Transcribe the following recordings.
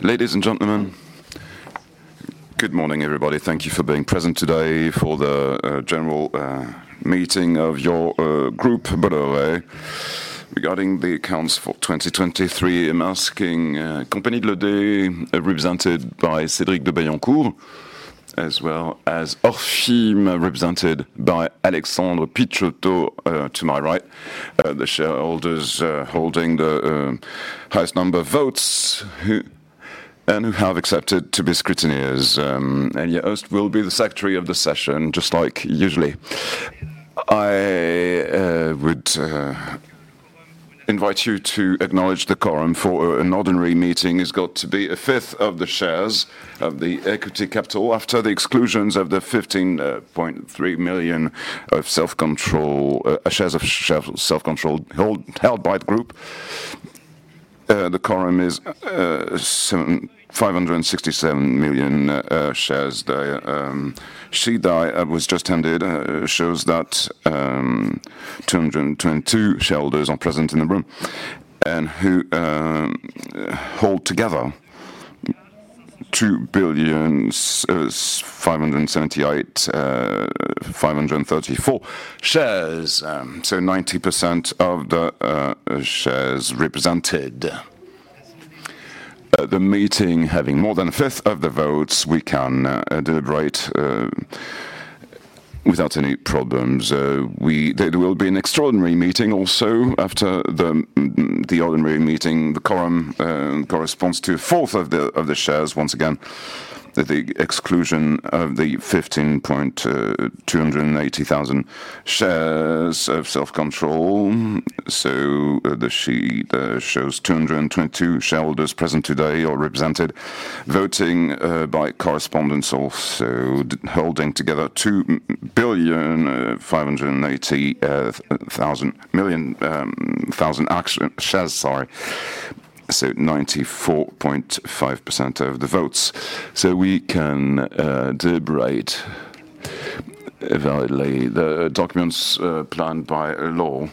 Ladies and gentlemen, good morning, everybody. Thank you for being present today for the general meeting of your group Bolloré. Regarding the accounts for 2023, I'm asking Compagnie de l'Odet, represented by Cédric de Bailliencourt, as well as Orfim, represented by Alexandre Picciotto, to my right. The shareholders holding the highest number of votes who and who have accepted to be scrutineers, and your host will be the secretary of the session, just like usually. I would invite you to acknowledge the quorum for an ordinary meeting has got to be a fifth of the shares of the equity capital. After the exclusions of the 15.3 million of self-held shares of self-held held by the group, the quorum is 757 million shares there. The sheet that I was just handed shows that 222 shareholders are present in the room, and who hold together EUR 2 billion 578 million 534,000 shares, so 90% of the shares represented. The meeting having more than a fifth of the votes, we can deliberate without any problems. There will be an extraordinary meeting also after the ordinary meeting. The quorum corresponds to a fourth of the shares. Once again, the exclusion of the 15th, 280,000 shares of self-control. The sheet shows 222 shareholders present today or represented, voting by correspondence, also holding together 2 billion 580 million shares, sorry. So 94.5% of the votes. So we can deliberate validly. The documents planned by law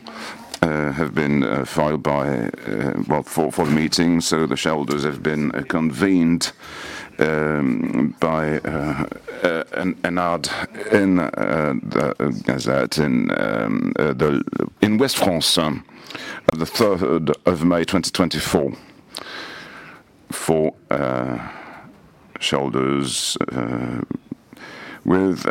have been filed for the meeting, so the shareholders have been convened by an ad in the Gazette in Ouest-France on the 3rd of May, 2024, for shareholders with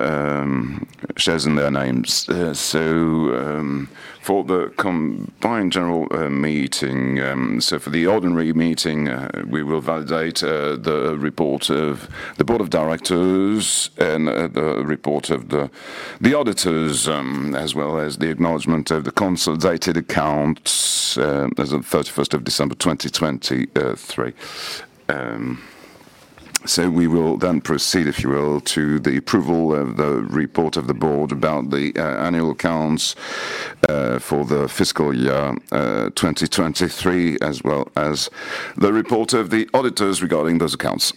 shares in their names. So for the combined general meeting, so for the ordinary meeting, we will validate the report of the board of directors and the report of the auditors, as well as the acknowledgement of the consolidated accounts, as at 31st of December, 2023. So we will then proceed, if you will, to the approval of the report of the board about the annual accounts for the fiscal year 2023, as well as the report of the auditors regarding those accounts.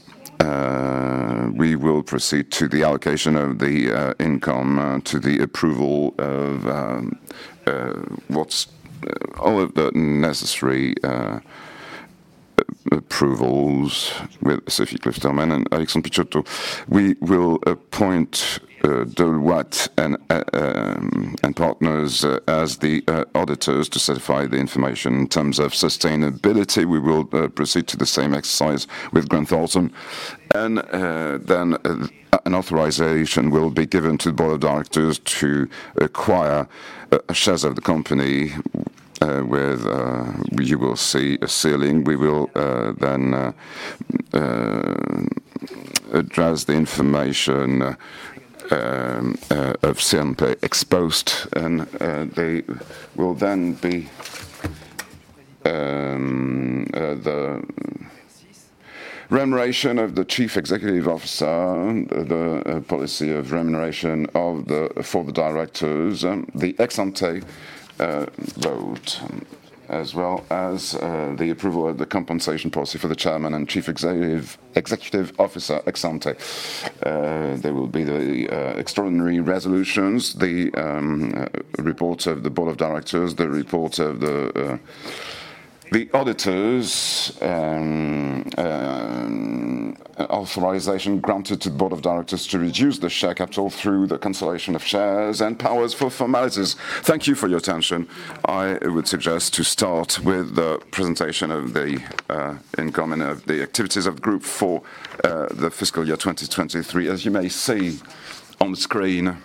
We will proceed to the allocation of the income to the approval of all of the necessary approvals with Sophie Clift and Alexandre Picciotto. We will appoint Deloitte and partners as the auditors to certify the information. In terms of sustainability, we will proceed to the same exercise with Grant Thornton. And then an authorization will be given to the board of directors to acquire shares of the company with you will see a ceiling. We will then address the information of CMTE Exposed, and they will then be the remuneration of the Chief Executive Officer, the policy of remuneration of the-- for the directors, the ex ante vote, as well as the approval of the compensation policy for the chairman and chief executive executive officer, ex ante. There will be the extraordinary resolutions, the report of the board of directors, the report of the the auditors, and authorization granted to the board of directors to reduce the share capital through the consolidation of shares and powers for formalities. Thank you for your attention. I would suggest to start with the presentation of the incumbent of the activities of group for the fiscal year 2023. As you may see on the screen,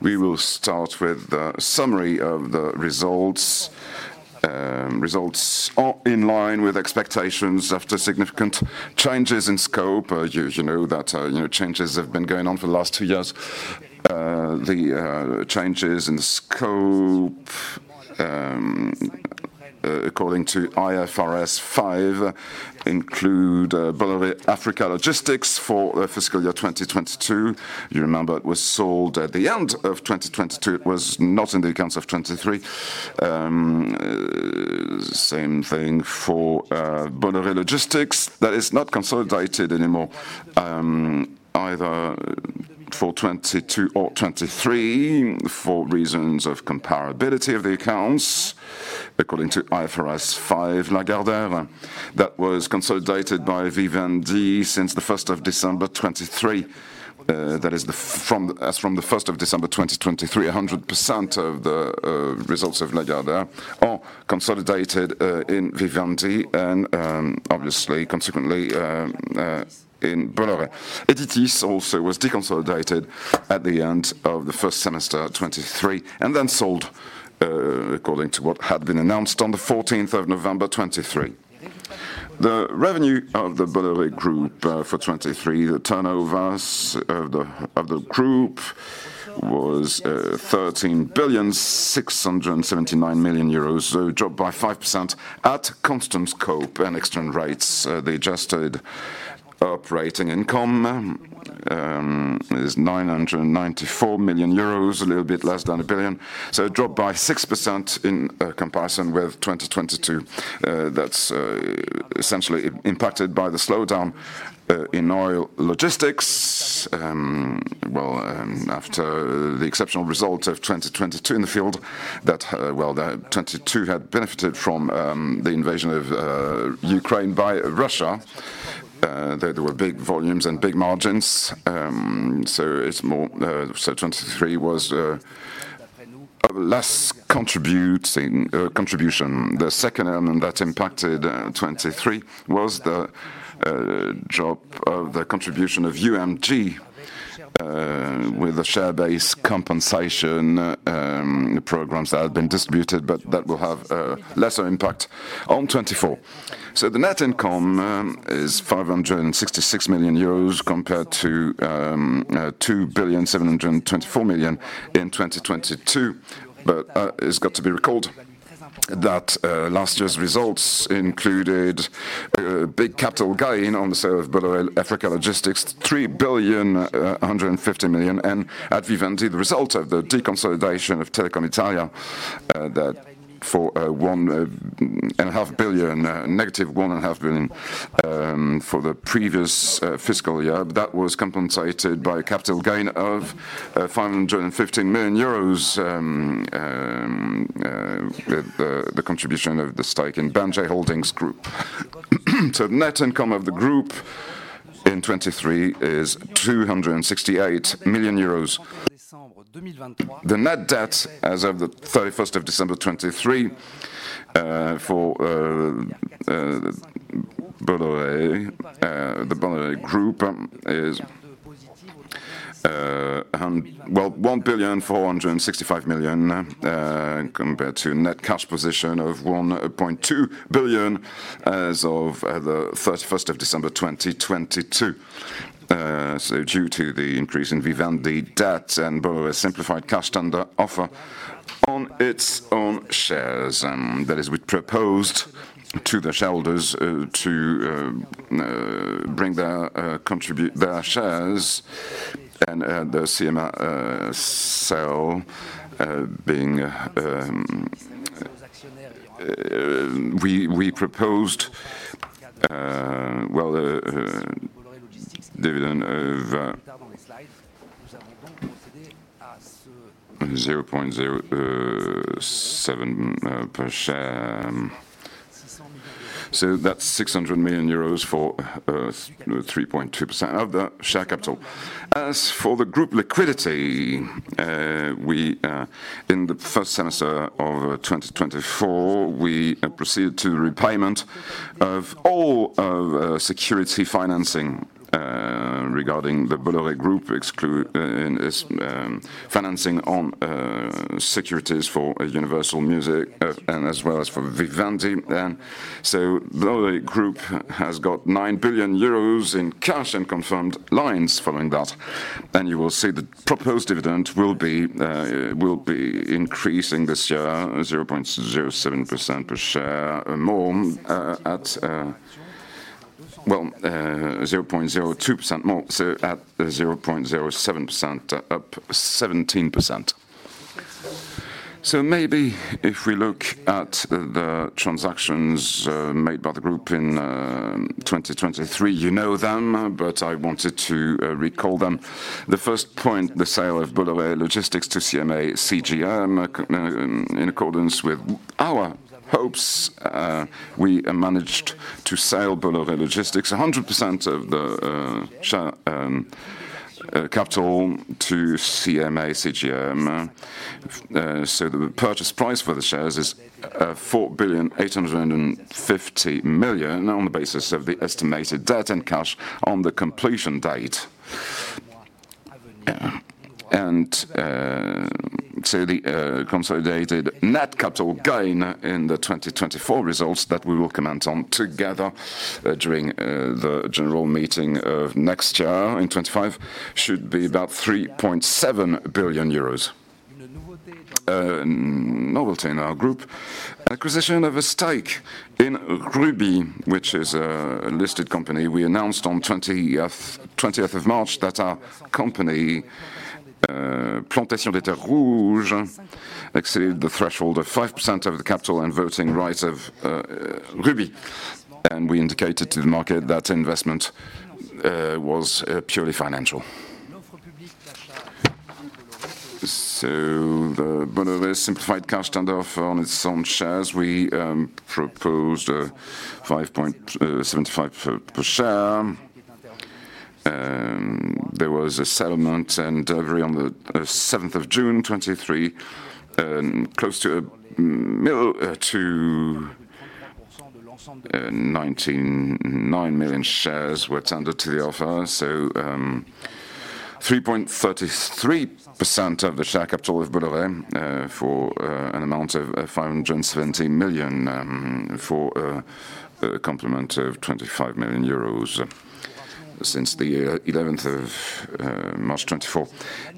we will start with the summary of the results. Results are in line with expectations after significant changes in scope. You know that, you know, changes have been going on for the last two years. The changes in scope, according to IFRS 5, include Bolloré Africa Logistics for the fiscal year 2022. You remember, it was sold at the end of 2022. It was not in the accounts of 2023. Same thing for Bolloré Logistics. That is not consolidated anymore, either for 2022 or 2023, for reasons of comparability of the accounts. According to IFRS 5, Lagardère that was consolidated by Vivendi since the 1st of December 2023. That is from, as from the 1st of December 2023, 100% of the results of Lagardère are consolidated in Vivendi and, obviously, consequently, in Bolloré. Editis also was deconsolidated at the end of the first semester of 2023, and then sold, according to what had been announced on the 14th of November 2023. The revenue of the Bolloré Group for 2023, the turnovers of the group was 13,679 million euros, so dropped by 5% at constant scope and external rates. The adjusted operating income is 994 million euros, a little bit less than a billion, so it dropped by 6% in comparison with 2022. That's essentially impacted by the slowdown in oil logistics. Well, after the exceptional results of 2022 in the field, that, well, the 2022 had benefited from the invasion of Ukraine by Russia. There were big volumes and big margins. So it's more. So 2023 was a less contributing contribution. The second element that impacted 2023 was the drop of the contribution of UMG with the share-based compensation programs that have been distributed, but that will have lesser impact on 2024. So the net income is 566 million euros, compared to 2,724 million in 2022. But it's got to be recalled that last year's results included big capital gain on the sale of Bolloré Africa Logistics, 3,150 million. At Vivendi, the result of the deconsolidation of Telecom Italia, that for 1.5 billion, -1.5 billion, for the previous fiscal year. But that was compensated by a capital gain of 515 million euros, with the contribution of the stake in Banijay Holdings Group. So net income of the group in 2023 is 268 million euros. The net debt as of the 31st of December 2023, for Bolloré, the Bolloré Group is 1,456 million, compared to net cash position of 1.2 billion as of the 31st of December 2022. So due to the increase in Vivendi debt and Bolloré Simplified Cash Tender Offer on its own shares, that is we proposed to the shareholders, to, bring their, contribute their shares and, the CMA, sell, being... We, we proposed, well, dividend of 0.07% per share. So that's 600 million euros for, 3.2% of the share capital. As for the group liquidity, we, in the first semester of 2024, we proceeded to repayment of all of, security financing, regarding the Bolloré Group, exclude, in this, financing on, securities for, Universal Music, and as well as for Vivendi. And so Bolloré Group has got 9 billion euros in cash and confirmed lines following that. You will see the proposed dividend will be increasing this year, 0.07% per share, and more, at, well, 0.02% more, so at 0.07%, up 17%. So maybe if we look at the transactions made by the group in 2023, you know them, but I wanted to recall them. The first point, the sale of Bolloré Logistics to CMA CGM. In accordance with our hopes, we managed to sell Bolloré Logistics, 100% of the share capital to CMA CGM. So the purchase price for the shares is 4.85 billion, on the basis of the estimated debt and cash on the completion date. So the consolidated net capital gain in the 2024 results that we will comment on together during the general meeting of next year, in 2025, should be about 3.7 billion euros. Novelty in our group, acquisition of a stake in Rubis, which is a listed company. We announced on 20th of March that our company, Plantations des Terres Rouges, exceeded the threshold of 5% of the capital and voting rights of Rubis. And we indicated to the market that investment was purely financial. So the Bolloré simplified cash tender offer on its own shares, we proposed 5.75 per share. There was a settlement and delivery on the 7th of June 2023. Close to 199 million shares were tendered to the offer. So, 3.33% of the share capital of Bolloré for an amount of 570 million for a complement of 25 million euros since the year, 11th of March 2024.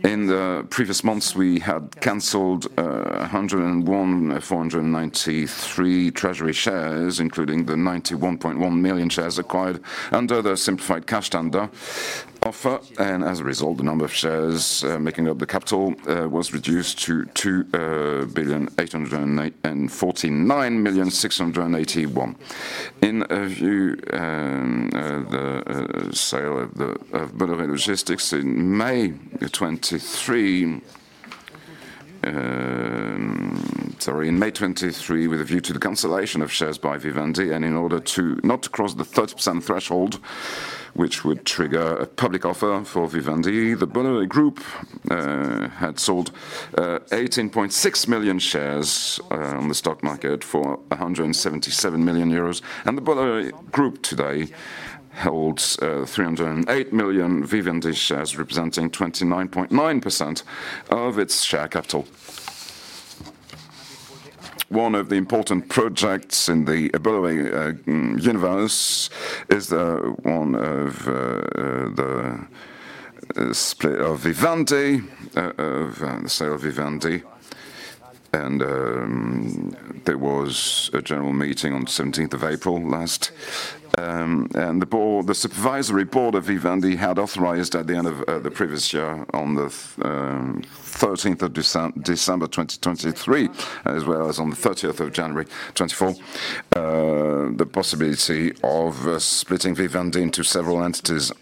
In the previous months, we had canceled 101.493 million treasury shares, including the 91.1 million shares acquired under the simplified cash tender offer. And as a result, the number of shares making up the capital was reduced to 2,849,681. In view the sale of Bolloré Logistics in May of 2023. Sorry, in May 2023, with a view to the cancellation of shares by Vivendi, and in order to not cross the 30% threshold, which would trigger a public offer for Vivendi, the Bolloré Group had sold 18.6 million shares on the stock market for 177 million euros. And the Bolloré Group today holds 308 million Vivendi shares, representing 29.9% of its share capital. One of the important projects in the Bolloré universe is the one of the split of Vivendi, of the sale of Vivendi. And there was a general meeting on 17th of April last. The supervisory board of Vivendi had authorized at the end of the previous year, on the 13th of December 2023, as well as on the 30th of January 2024, the possibility of splitting Vivendi into several entities.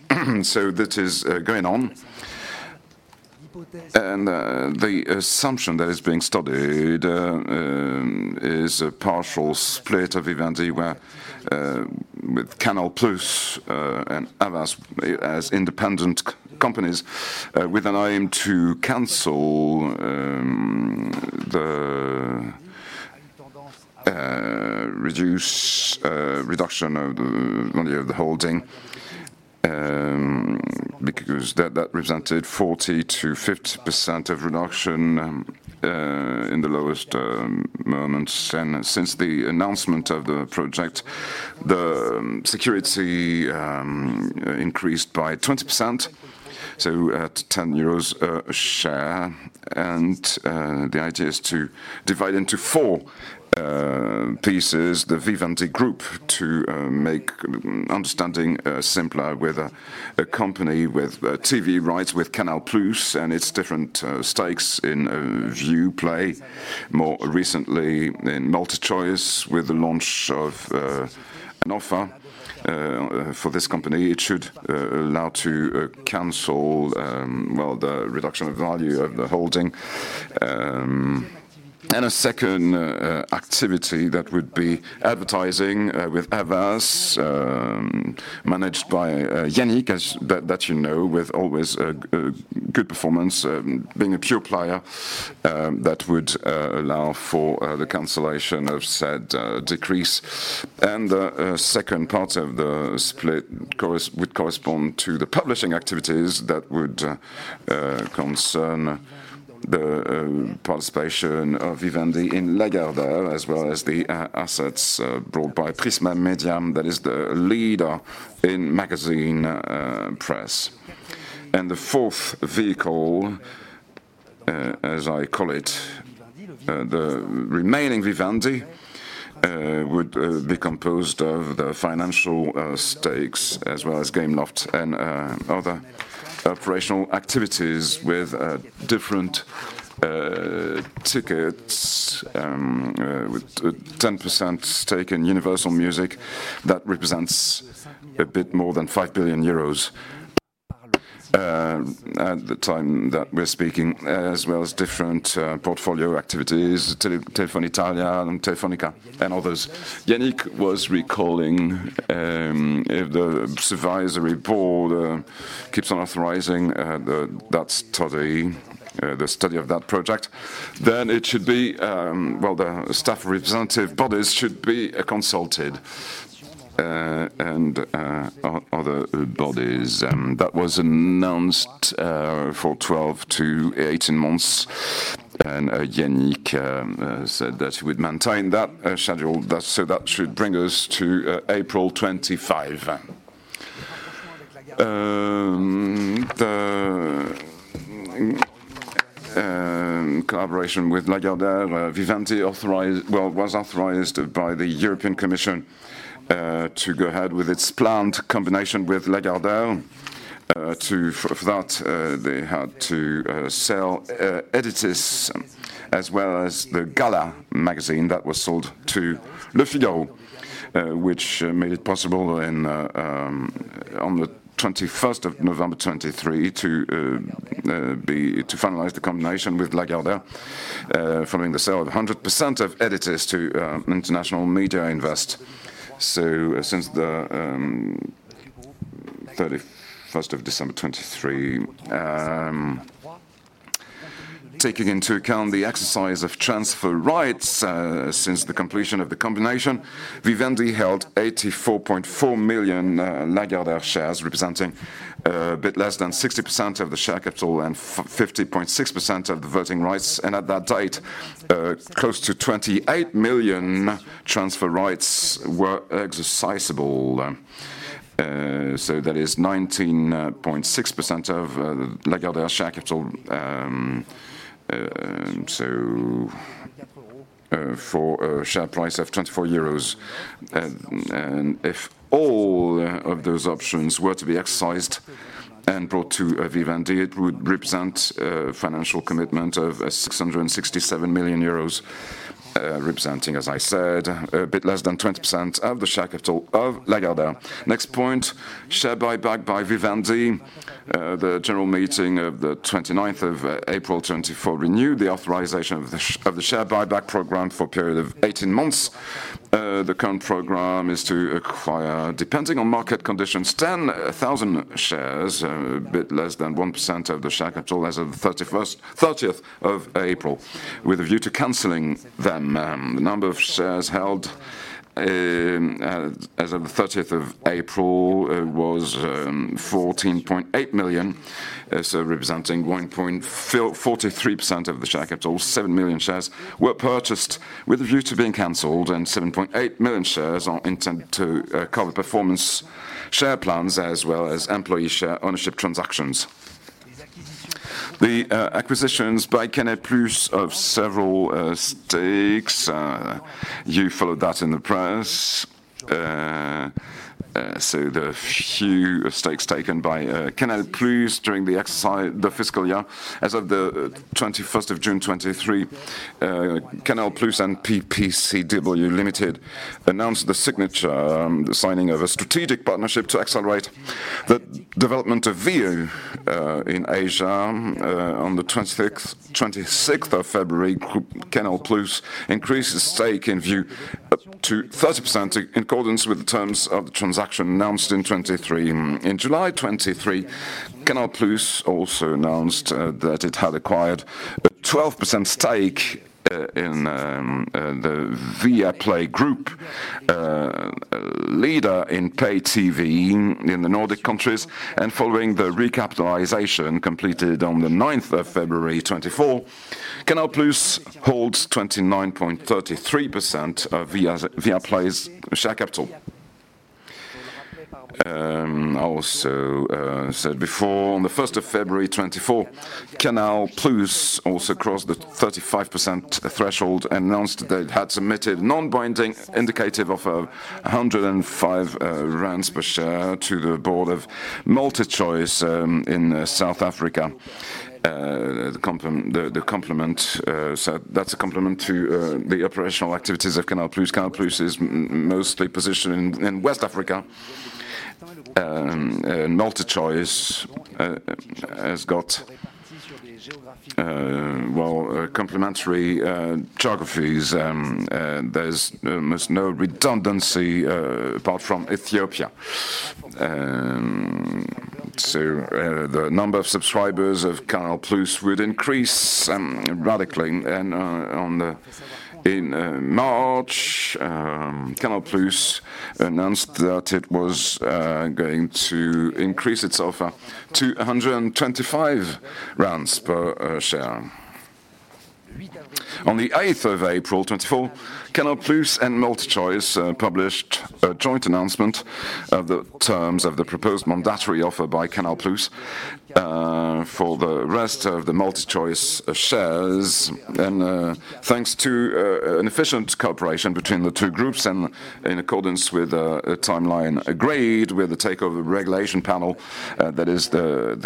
So that is going on. The assumption that is being studied is a partial split of Vivendi, where, with Canal+ and Havas as independent companies, with an aim to cancel the reduction of the value of the holding. Because that represented 40%-50% reduction in the lowest moments. Since the announcement of the project, the security increased by 20%, so at 10 euros a share. The idea is to divide into four pieces the Vivendi group to make understanding simpler with a company with TV rights with Canal+ and its different stakes in Viaplay, more recently in MultiChoice, with the launch of an offer for this company. It should allow to cancel, well, the reduction of value of the holding. And a second activity that would be advertising with Havas, managed by Yannick, as that you know, with always a good performance, being a pure player, that would allow for the cancellation of said decrease. And the second part of the split would correspond to the publishing activities that would concern the participation of Vivendi in Lagardère, as well as the assets brought by Prisma Media, that is the leader in magazine press. And the fourth vehicle, as I call it, the remaining Vivendi, would be composed of the financial stakes, as well as Gameloft and other operational activities with different tickets, with a 10% stake in Universal Music. That represents a bit more than 5 billion euros, at the time that we're speaking, as well as different portfolio activities, Telecom Italia and Telefónica and others. Yannick was recalling, if the supervisory board keeps on authorizing the study of that project, then it should be, well, the staff representative bodies should be consulted, and other bodies. That was announced for 12-18 months, and Yannick said that he would maintain that schedule. That- so that should bring us to April 2025. The collaboration with Lagardère, Vivendi authorized. Well, was authorized by the European Commission to go ahead with its planned combination with Lagardère. To, for that, they had to sell Editis, as well as the Gala magazine that was sold to Le Figaro, which made it possible in, on the 21st of November 2023 to finalize the combination with Lagardère, following the sale of 100% of Editis to International Media Invest. So since the 31st of December 2023, taking into account the exercise of transfer rights, since the completion of the combination, Vivendi held 84.4 million Lagardère shares, representing a bit less than 60% of the share capital and 50.6% of the voting rights. And at that date, close to 28 million transfer rights were exercisable. So that is 19.6% of Lagardère share capital. So, for a share price of 24 euros, and if all of those options were to be exercised and brought to Vivendi, it would represent a financial commitment of 667 million euros, representing, as I said, a bit less than 20% of the share capital of Lagardère. Next point, share buyback by Vivendi. The general meeting of the 29th of April 2024 renewed the authorization of the share buyback program for a period of 18 months. The current program is to acquire, depending on market conditions, 10,000 shares, a bit less than 1% of the share capital as of the 30th of April, with a view to canceling them. The number of shares held, as of the 30th of April, was 14.8 million, so representing 1.43% of the share capital. Seven million shares were purchased with a view to being canceled, and 7.8 million shares are intended to cover performance share plans, as well as employee share ownership transactions. The acquisitions by Canal+ of several stakes, you followed that in the press. So the few stakes taken by Canal+ during the exercise, the fiscal year. As of the 21st of June 2023, Canal+ and PCCW Limited announced the signature, the signing of a strategic partnership to accelerate the development of Viu, in Asia. On the 26th of February, Group Canal+ increased its stake in Viu up to 30% in accordance with the terms of the transaction announced in 2023. In July 2023, Canal+ also announced that it had acquired a 12% stake in the Viaplay Group, leader in pay TV in the Nordic countries. Following the recapitalization completed on the 9th of February 2024, Canal+ holds 29.33% of Viaplay's share capital. I also said before, on the 1st of February 2024, Canal+ also crossed the 35% threshold and announced that it had submitted non-binding indicative of 105 rand per share to the board of MultiChoice in South Africa. The complement, so that's a complement to the operational activities of Canal+. Canal+ is mostly positioned in West Africa. MultiChoice has got well complementary geographies. There's almost no redundancy apart from Ethiopia. So the number of subscribers of Canal+ would increase radically. And in March Canal+ announced that it was going to increase its offer to 125 ZAR per share. On the 18th of April 2024 Canal+ and MultiChoice published a joint announcement of the terms of the proposed mandatory offer by Canal+ for the rest of the MultiChoice shares Thanks to an efficient cooperation between the two groups, and in accordance with a timeline agreed with the Takeover Regulation Panel, that is the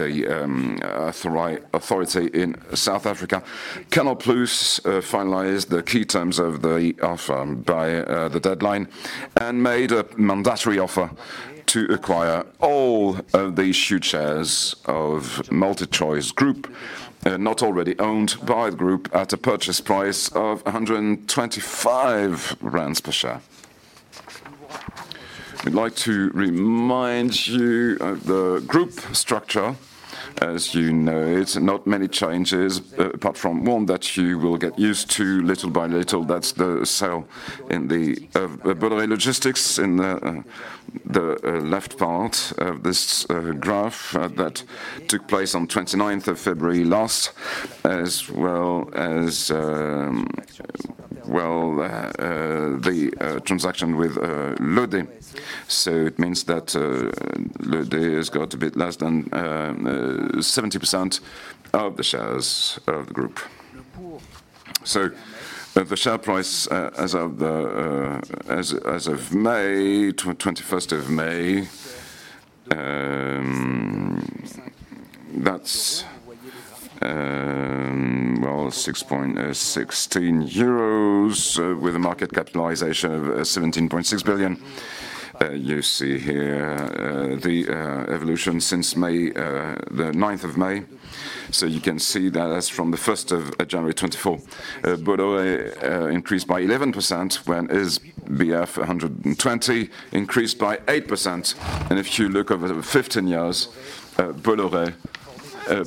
authority in South Africa, Canal+ finalized the key terms of the offer by the deadline, and made a mandatory offer to acquire all of the issued shares of MultiChoice Group, not already owned by the group, at a purchase price of 125 rand per share. We'd like to remind you of the group structure. As you know, it's not many changes, apart from one that you will get used to little by little. That's the sale in the Bollorè Logistics in the left part of this graph that took place on 29th of February last, as well as well the transaction with L'Odet. So it means that L'Odet has got a bit less than 70% of the shares of the group. So the share price as of the as of May 21st of May. That's, well, 6.16 euros, with a market capitalization of 17.6 billion. You see here the evolution since May the 9th of May. So you can see that that's from the 1st of January 2024. Bolloré increased by 11%, when SBF 120 increased by 8%. And if you look over the 15 years, Bolloré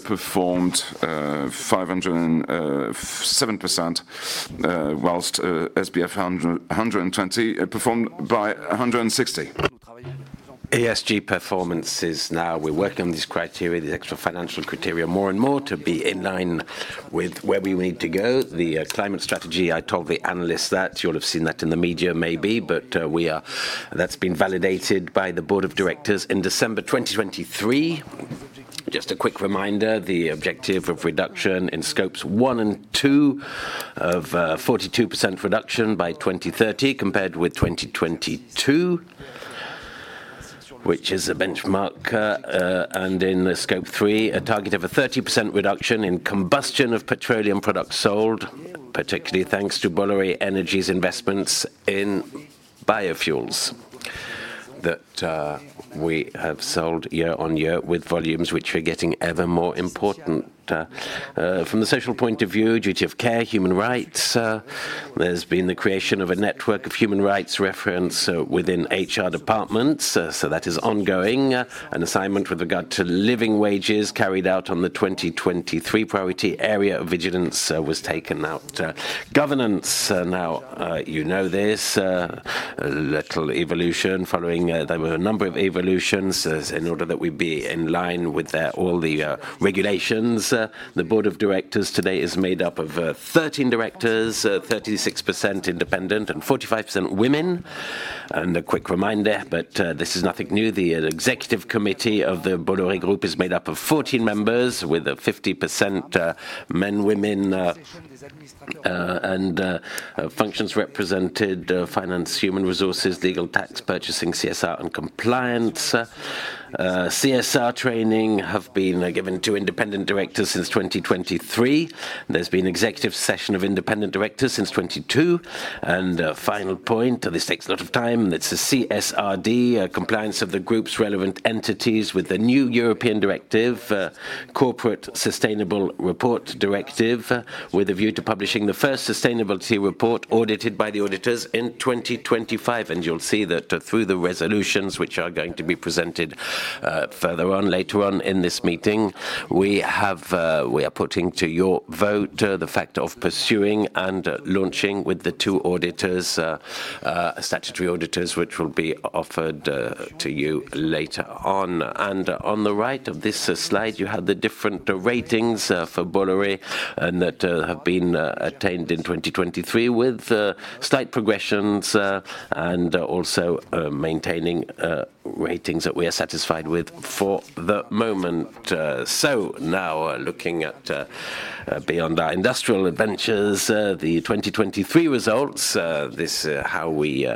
performed 507%, whilst SBF 120 performed by 160. ESG performances, now we're working on these criteria, the extra financial criteria, more and more to be in line with where we need to go. The climate strategy, I told the analysts that. You'll have seen that in the media maybe, but, we are. That's been validated by the board of directors in December 2023. Just a quick reminder, the objective of reduction in Scope 1 and 2 of, 42% reduction by 2030, compared with 2022, which is a benchmark. And in the Scope 3, a target of a 30% reduction in combustion of petroleum products sold, particularly thanks to Bolloré Energy's investments in biofuels that, we have sold year on year with volumes which are getting ever more important. From the social point of view, duty of care, human rights, there's been the creation of a network of human rights reference, within HR departments, so that is ongoing. An assignment with regard to living wages carried out on the 2023 priority area of vigilance was taken out. Governance, now, you know this, little evolution following. There were a number of evolutions as, in order that we be in line with all the regulations. The board of directors today is made up of 13 directors, 36% independent and 45% women. And a quick reminder, but this is nothing new, the executive committee of the Bolloré Group is made up of 14 members with a 50% men, women, and functions represented, finance, human resources, legal, tax, purchasing, CSR, and compliance. CSR training have been given to independent directors since 2023. There's been executive session of independent directors since 2022. And a final point, this takes a lot of time, it's the CSRD compliance of the group's relevant entities with the new European Directive, Corporate Sustainability Reporting Directive, with a view to publishing the first sustainability report audited by the auditors in 2025. And you'll see that, through the resolutions which are going to be presented further on, later on in this meeting, we are putting to your vote the fact of pursuing and launching with the two statutory auditors, which will be offered to you later on. And on the right of this slide, you have the different ratings for Bolloré, and that have been attained in 2023, with slight progressions, and also maintaining ratings that we are satisfied with for the moment. So now, looking at beyond our industrial adventures, the 2023 results, this how we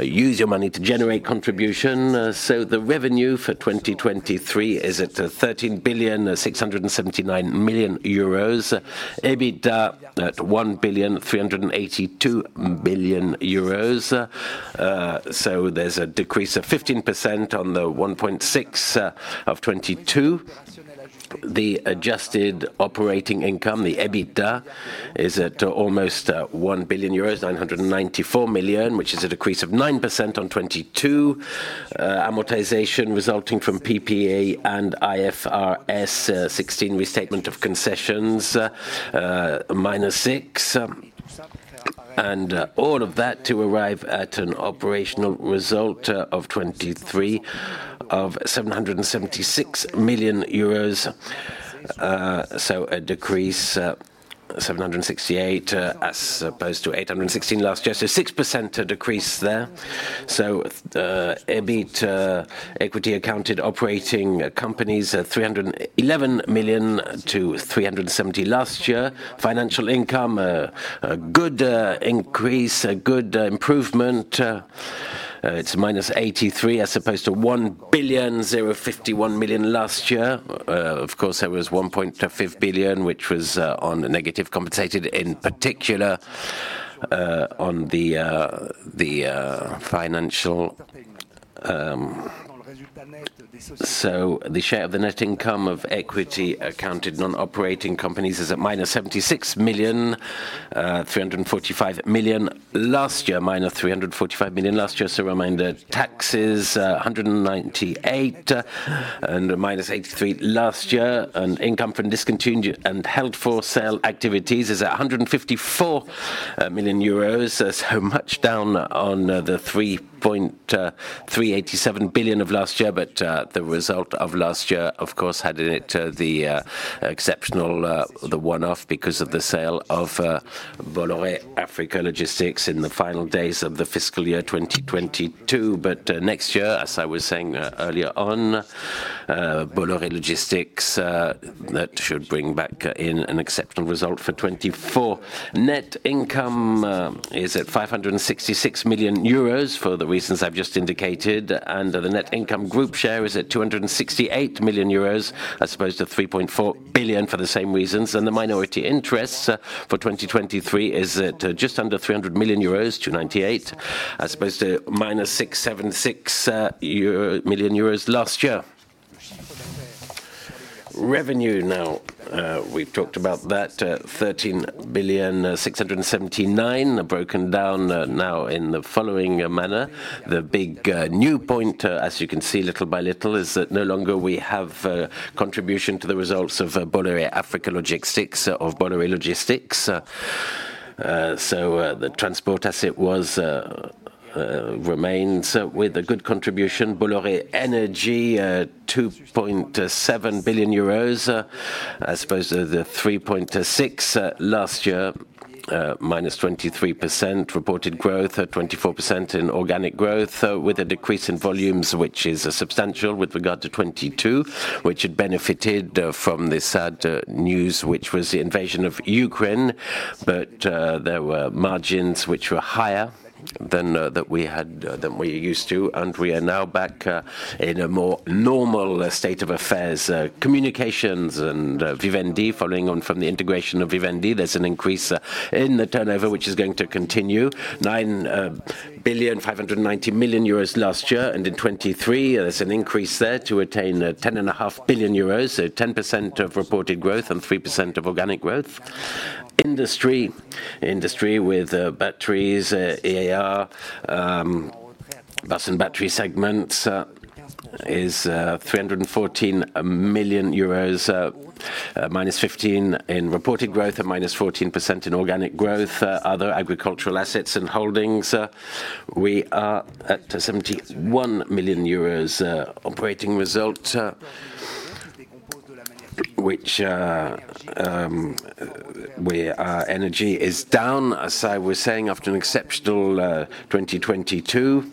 use your money to generate contribution. So the revenue for 2023 is at 13,679 million euros. EBITDA at 1,382 million euros, so there's a decrease of 15% on the 1.6 of 2022. The adjusted operating income, the EBITDA, is at almost 1,994 million euros, which is a decrease of 9% on 2022. Amortization resulting from PPA and IFRS 16 restatement of concessions minus six. And all of that to arrive at an operational result of 2023, of 776 million euros. So a decrease, 768 million, as opposed to 816 million last year, so 6% decrease there. So, EBIT equity accounted operating companies, 311 million to 370 million last year. Financial income, a good increase, a good improvement, it's -83 million, as opposed to -1,051 million last year. Of course, there was 1.5 billion, which was on negative compensated, in particular on the the financial. So the share of the net income of equity accounted non-operating companies is at -76 million, 345 million last year, -345 million last year, so reminder. Taxes, 198 million and -83 million last year. Income from discontinued and held for sale activities is at 154 million euros, so much down on the 3.387 billion of last year. But the result of last year, of course, had in it the exceptional, the one-off because of the sale of Bolloré Africa Logistics in the final days of the fiscal year 2022. But next year, as I was saying earlier on, Bolloré Logistics... That should bring back in an exceptional result for 2024. Net income is at 566 million euros for the reasons I've just indicated, and the net income group share is at 268 million euros, as opposed to 3.4 billion for the same reasons. The minority interests for 2023 is at just under 300 million euros, 298, as opposed to -676 million euro last year. Revenue, now, we've talked about that, 13,679 million, broken down, now in the following manner. The big new point, as you can see little by little, is that no longer we have contribution to the results of Bolloré Africa Logistics of Bolloré Logistics. So, the transport asset remains with a good contribution. Bolloré Energy, 2.7 billion euros, as opposed to the 3.6 billion euros last year, -23% reported growth, at 24% in organic growth, with a decrease in volumes, which is substantial with regard to 2022, which had benefited from the sad news, which was the invasion of Ukraine. But, there were margins which were higher than that we had- than we are used to, and we are now back in a more normal state of affairs. Communications and Vivendi, following on from the integration of Vivendi, there's an increase in the turnover, which is going to continue. 9.59 billion last year, and in 2023, there's an increase there to attain 10.5 billion euros, so 10% of reported growth and 3% of organic growth. Industry. Industry with batteries, IER, bus and battery segments is 314 million euros, minus 15% in reported growth and minus 14% in organic growth. Other agricultural assets and holdings, we are at 71 million euros, operating result, which where our energy is down. As I was saying, after an exceptional 2022,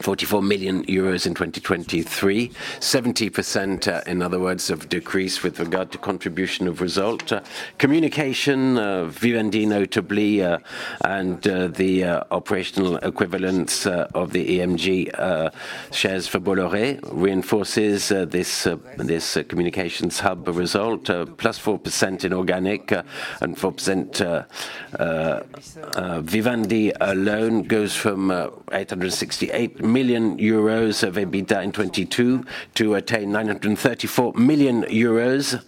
44 million euros in 2023. 70%, in other words, of decrease with regard to contribution of result. Communication, Vivendi, notably, and the operational equivalence of the UMG shares for Bolloré reinforces this communications hub result +4% in organic and 4%, Vivendi alone goes from 868 million euros of EBITDA in 2022 to attain 934 million euros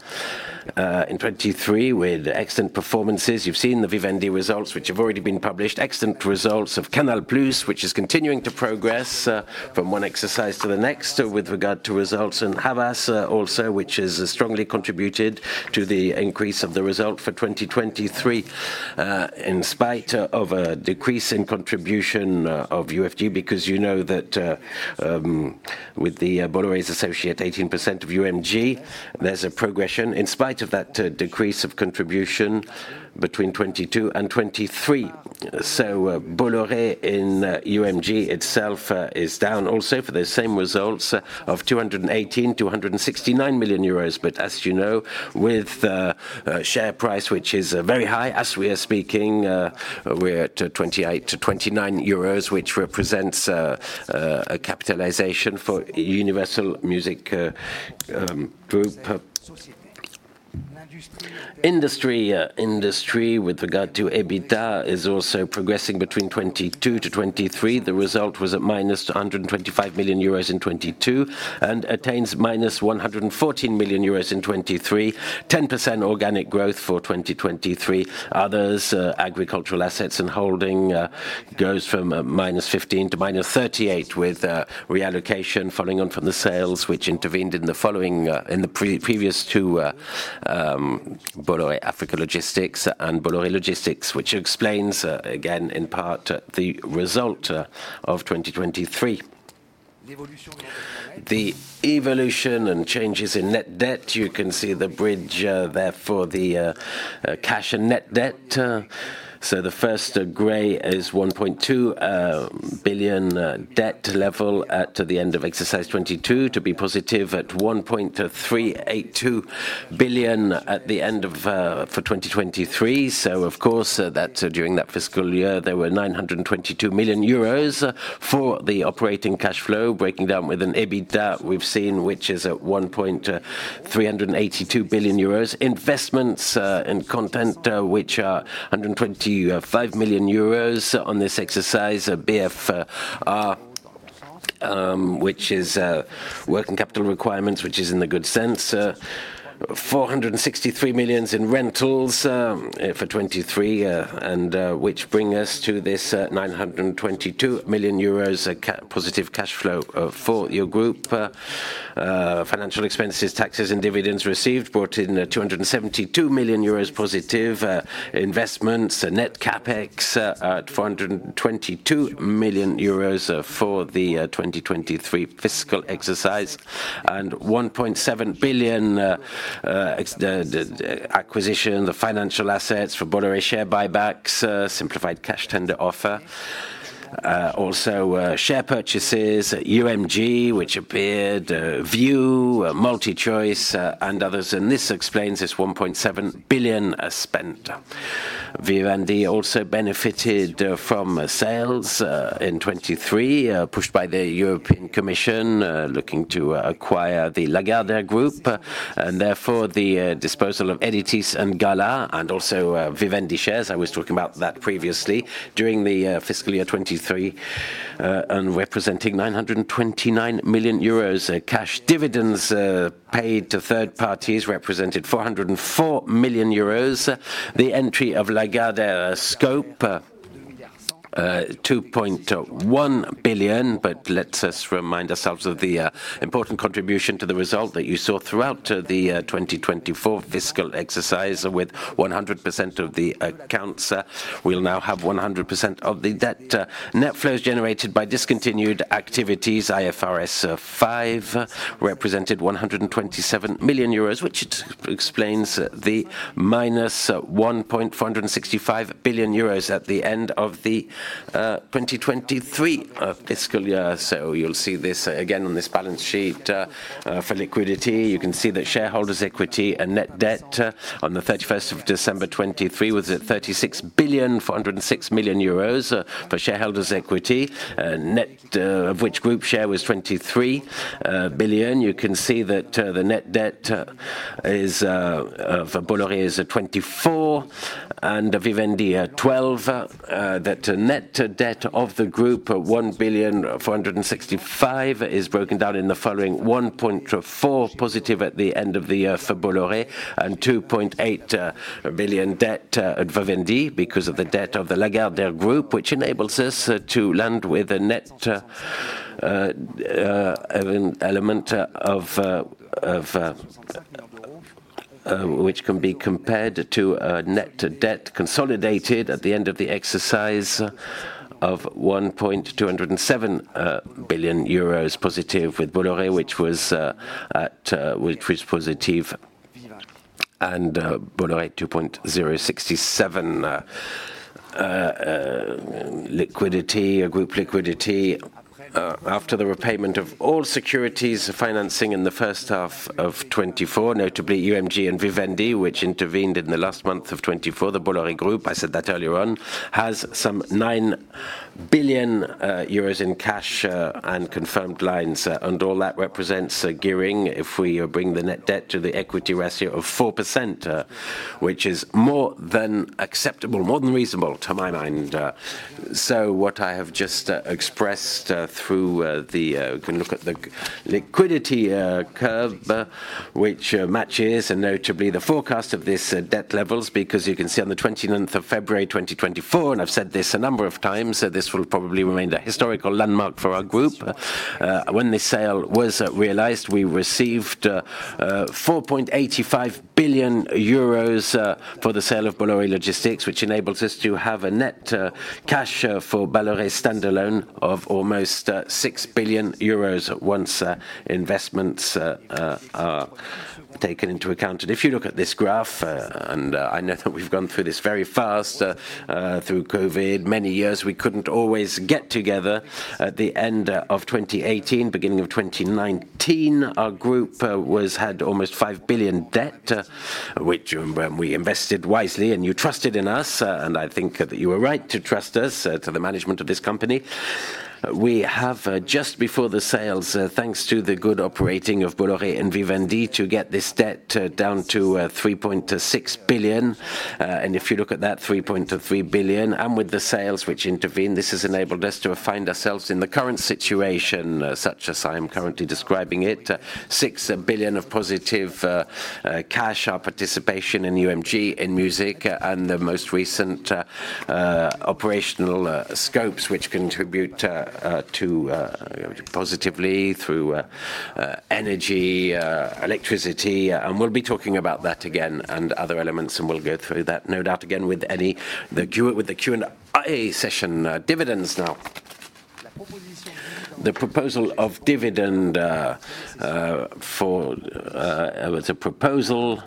in 2023, with excellent performances. You've seen the Vivendi results, which have already been published. Excellent results of Canal+, which is continuing to progress from one exercise to the next with regard to results. Havas also, which has strongly contributed to the increase of the result for 2023, in spite of a decrease in contribution of UMG. Because you know that, with the Bolloré's associate, 18% of UMG, there's a progression in spite of that, decrease of contribution between 2022 and 2023. So, Bolloré in UMG itself, is down also for the same results of 218 million-269 million euros. But as you know, with the share price, which is very high, as we are speaking, we're at 28-29 euros, which represents a capitalization for Universal Music Group. Industry, industry, with regard to EBITDA, is also progressing between 2022 to 2023. The result was at -225 million euros in 2022, and attains -114 million euros in 2023. 10% organic growth for 2023. Others, agricultural assets and holding, goes from -15 to -38, with reallocation following on from the sales, which intervened in the following, in the previous two, Bolloré Africa Logistics and Bolloré Logistics, which explains, again, in part, the result of 2023. The evolution and changes in net debt, you can see the bridge, there for the cash and net debt. So the first gray is 1.2 billion debt level to the end of exercise 2022, to be positive at 1.382 billion at the end of for 2023. Of course, during that fiscal year, there were 922 million euros for the operating cash flow, breaking down with an EBITDA we've seen, which is at 1.382 billion euros. Investments in content, which are 125 million euros on this exercise. BF, which is working capital requirements, which is in the good sense. 463 million in rentals for 2023, and which bring us to this 922 million euros positive cash flow for your group. Financial expenses, taxes, and dividends received brought in 272 million euros positive. Investments, net CapEx, at 422 million euros for the 2023 fiscal exercise, and 1.7 billion excluding the acquisition of financial assets for Bolloré share buybacks, simplified cash tender offer. Also, share purchases at UMG, which appeared Viu, MultiChoice, and others, and this explains this 1.7 billion spent. Vivendi also benefited from sales in 2023, pushed by the European Commission looking to acquire the Lagardère group, and therefore the disposal of Editis and Gala, and also Vivendi shares. I was talking about that previously during the fiscal year 2023, and representing 929 million euros. Cash dividends paid to third parties represented 404 million euros. The entry of Lagardère scope, 2.1 billion, but let us remind ourselves of the important contribution to the result that you saw throughout the 2024 fiscal exercise, with 100% of the accounts. We'll now have 100% of the debt. Net flows generated by discontinued activities, IFRS 5, represented 127 million euros, which explains the -1.465 billion euros at the end of the 2023 fiscal year. So you'll see this again on this balance sheet. For liquidity, you can see that shareholders' equity and net debt on 31st of December, 2023 was at 36.406 billion for shareholders' equity, net of which group share was 23 billion. You can see that the net debt is for Bolloré at 24 and Vivendi at 12. That net debt of the group, 1.465 billion, is broken down in the following: 1.4 billion positive at the end of the year for Bolloré, and 2.8 billion debt at Vivendi because of the debt of the Lagardère group, which enables us to land with a net, an element of which can be compared to a net debt consolidated at the end of the exercise of 1.207 billion euros positive with Bolloré, which was positive. Bolloré 2.067 liquidity, a group liquidity. After the repayment of all securities financing in the first half of 2024, notably UMG and Vivendi, which intervened in the last month of 2024, the Bolloré Group, I said that earlier on, has some 9 billion euros in cash and confirmed lines. And all that represents a gearing. If we bring the net debt to the equity ratio of 4%, which is more than acceptable, more than reasonable, to my mind. So what I have just expressed through the. We can look at the liquidity curve, which matches and notably the forecast of this debt levels, because you can see on the 29th of February 2024, and I've said this a number of times, that this will probably remain a historical landmark for our group. When this sale was realized, we received 4.85 billion euros for the sale of Bolloré Logistics, which enables us to have a net cash for Bolloré standalone of almost 6 billion euros once investments are taken into account. And if you look at this graph, and I know that we've gone through this very fast through COVID, many years, we couldn't always get together. At the end of 2018, beginning of 2019, our group had almost 5 billion debt, which when we invested wisely and you trusted in us, and I think that you were right to trust us, to the management of this company. We have just before the sales, thanks to the good operating of Bolloré and Vivendi, to get this debt down to 3.6 billion. And if you look at that 3.3 billion, and with the sales which intervened, this has enabled us to find ourselves in the current situation such as I am currently describing it. 6 billion of positive cash, our participation in UMG in music, and the most recent operational scopes, which contribute to positively through energy, electricity. And we'll be talking about that again and other elements, and we'll go through that, no doubt again, with the Q&A session. Dividends now. The proposal of dividend for... It was a proposal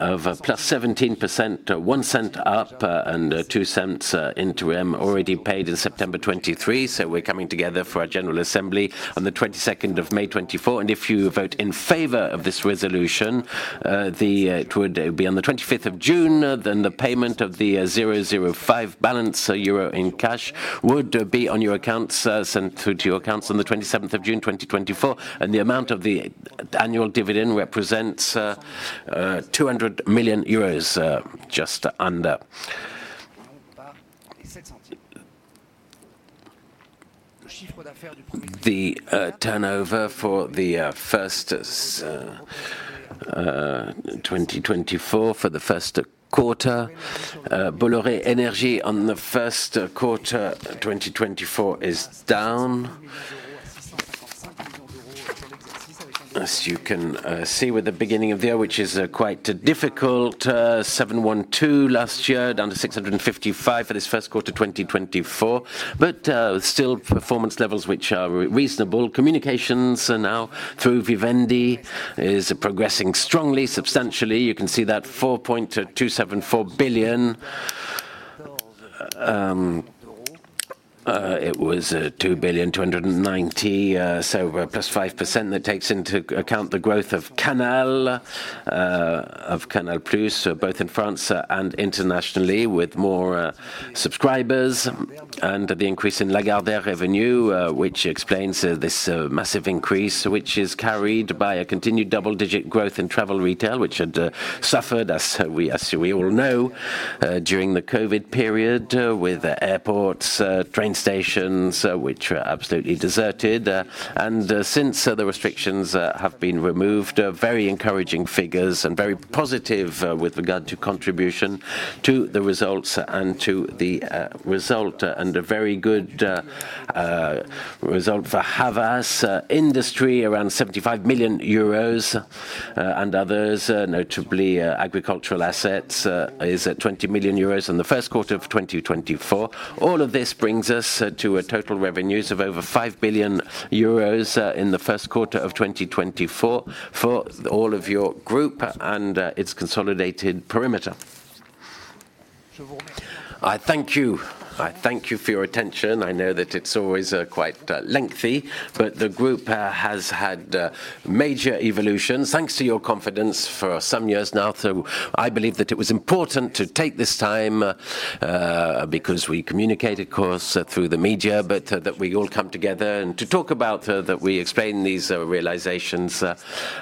of +17%, 0.01 up, and 0.02 cents, interim, already paid in September, 2023. So we're coming together for our general assembly on the 22nd of May 2024, and if you vote in favor of this resolution, the, it would be on the 25th of June, then the payment of the, 0.05 euro balance in cash, would be on your accounts, sent through to your accounts on the 27th of June 2024. And the amount of the annual dividend represents, EUR 200 million, just under. The, turnover for the, first, 2024, for the first quarter, Bolloré Energy on the first, quarter of 2024 is down. As you can see with the beginning of the year, which is quite difficult, 712 last year, down to 655 for this first quarter, 2024, but still performance levels which are reasonable. Communications are now through Vivendi, is progressing strongly, substantially. You can see that 4.274 billion... it was 2.290 billion, so +5%. That takes into account the growth of Canal, of Canal+, both in France, and internationally, with more subscribers, and the increase in Lagardère revenue, which explains this massive increase, which is carried by a continued double-digit growth in travel retail, which had suffered, as we all know, during the COVID period, with airports, train stations, which were absolutely deserted. And since the restrictions have been removed, very encouraging figures and very positive, with regard to contribution to the results and to the result. And a very good result for Havas. Industry, around 75 million euros, and others, notably agricultural assets, is at 20 million euros in the first quarter of 2024. All of this brings us to a total revenues of over 5 billion euros in the first quarter of 2024 for all of your group and its consolidated perimeter. I thank you. I thank you for your attention. I know that it's always quite lengthy, but the group has had major evolutions, thanks to your confidence for some years now. So I believe that it was important to take this time, because we communicate, of course, through the media, but that we all come together and to talk about that we explain these realizations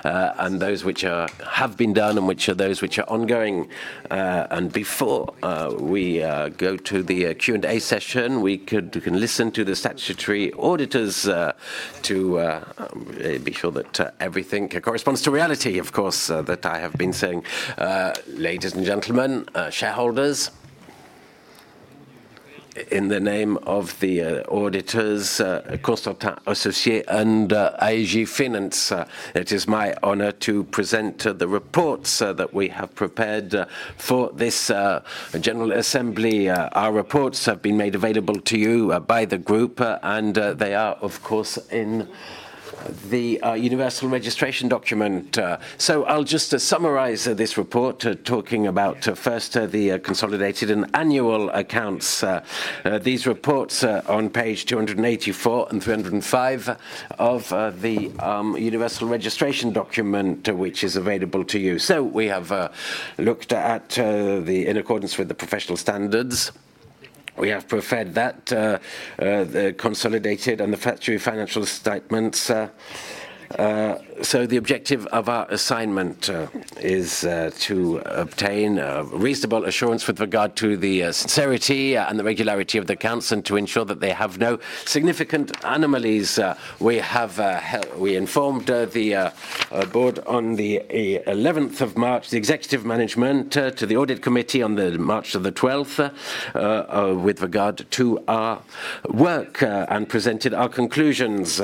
and those which have been done and which are those which are ongoing. And before we go to the Q&A session, we could—we can listen to the statutory auditors, to be sure that everything corresponds to reality, of course, that I have been saying. Ladies and gentlemen, shareholders, in the name of the auditors, Constantin Associés and AEG Finances, it is my honor to present the reports that we have prepared for this general assembly. Our reports have been made available to you by the group, and they are, of course, in the universal registration document. So I'll just summarize this report, talking about first the consolidated and annual accounts. These reports are on page 284 and 305 of the universal registration document, which is available to you. So we have looked at in accordance with the professional standards. We have preferred that the consolidated and the factory financial statements. So the objective of our assignment is to obtain reasonable assurance with regard to the sincerity and the regularity of the accounts and to ensure that they have no significant anomalies. We have informed the board on the 11th of March, the executive management to the audit committee on March the 12th, with regard to our work and presented our conclusions.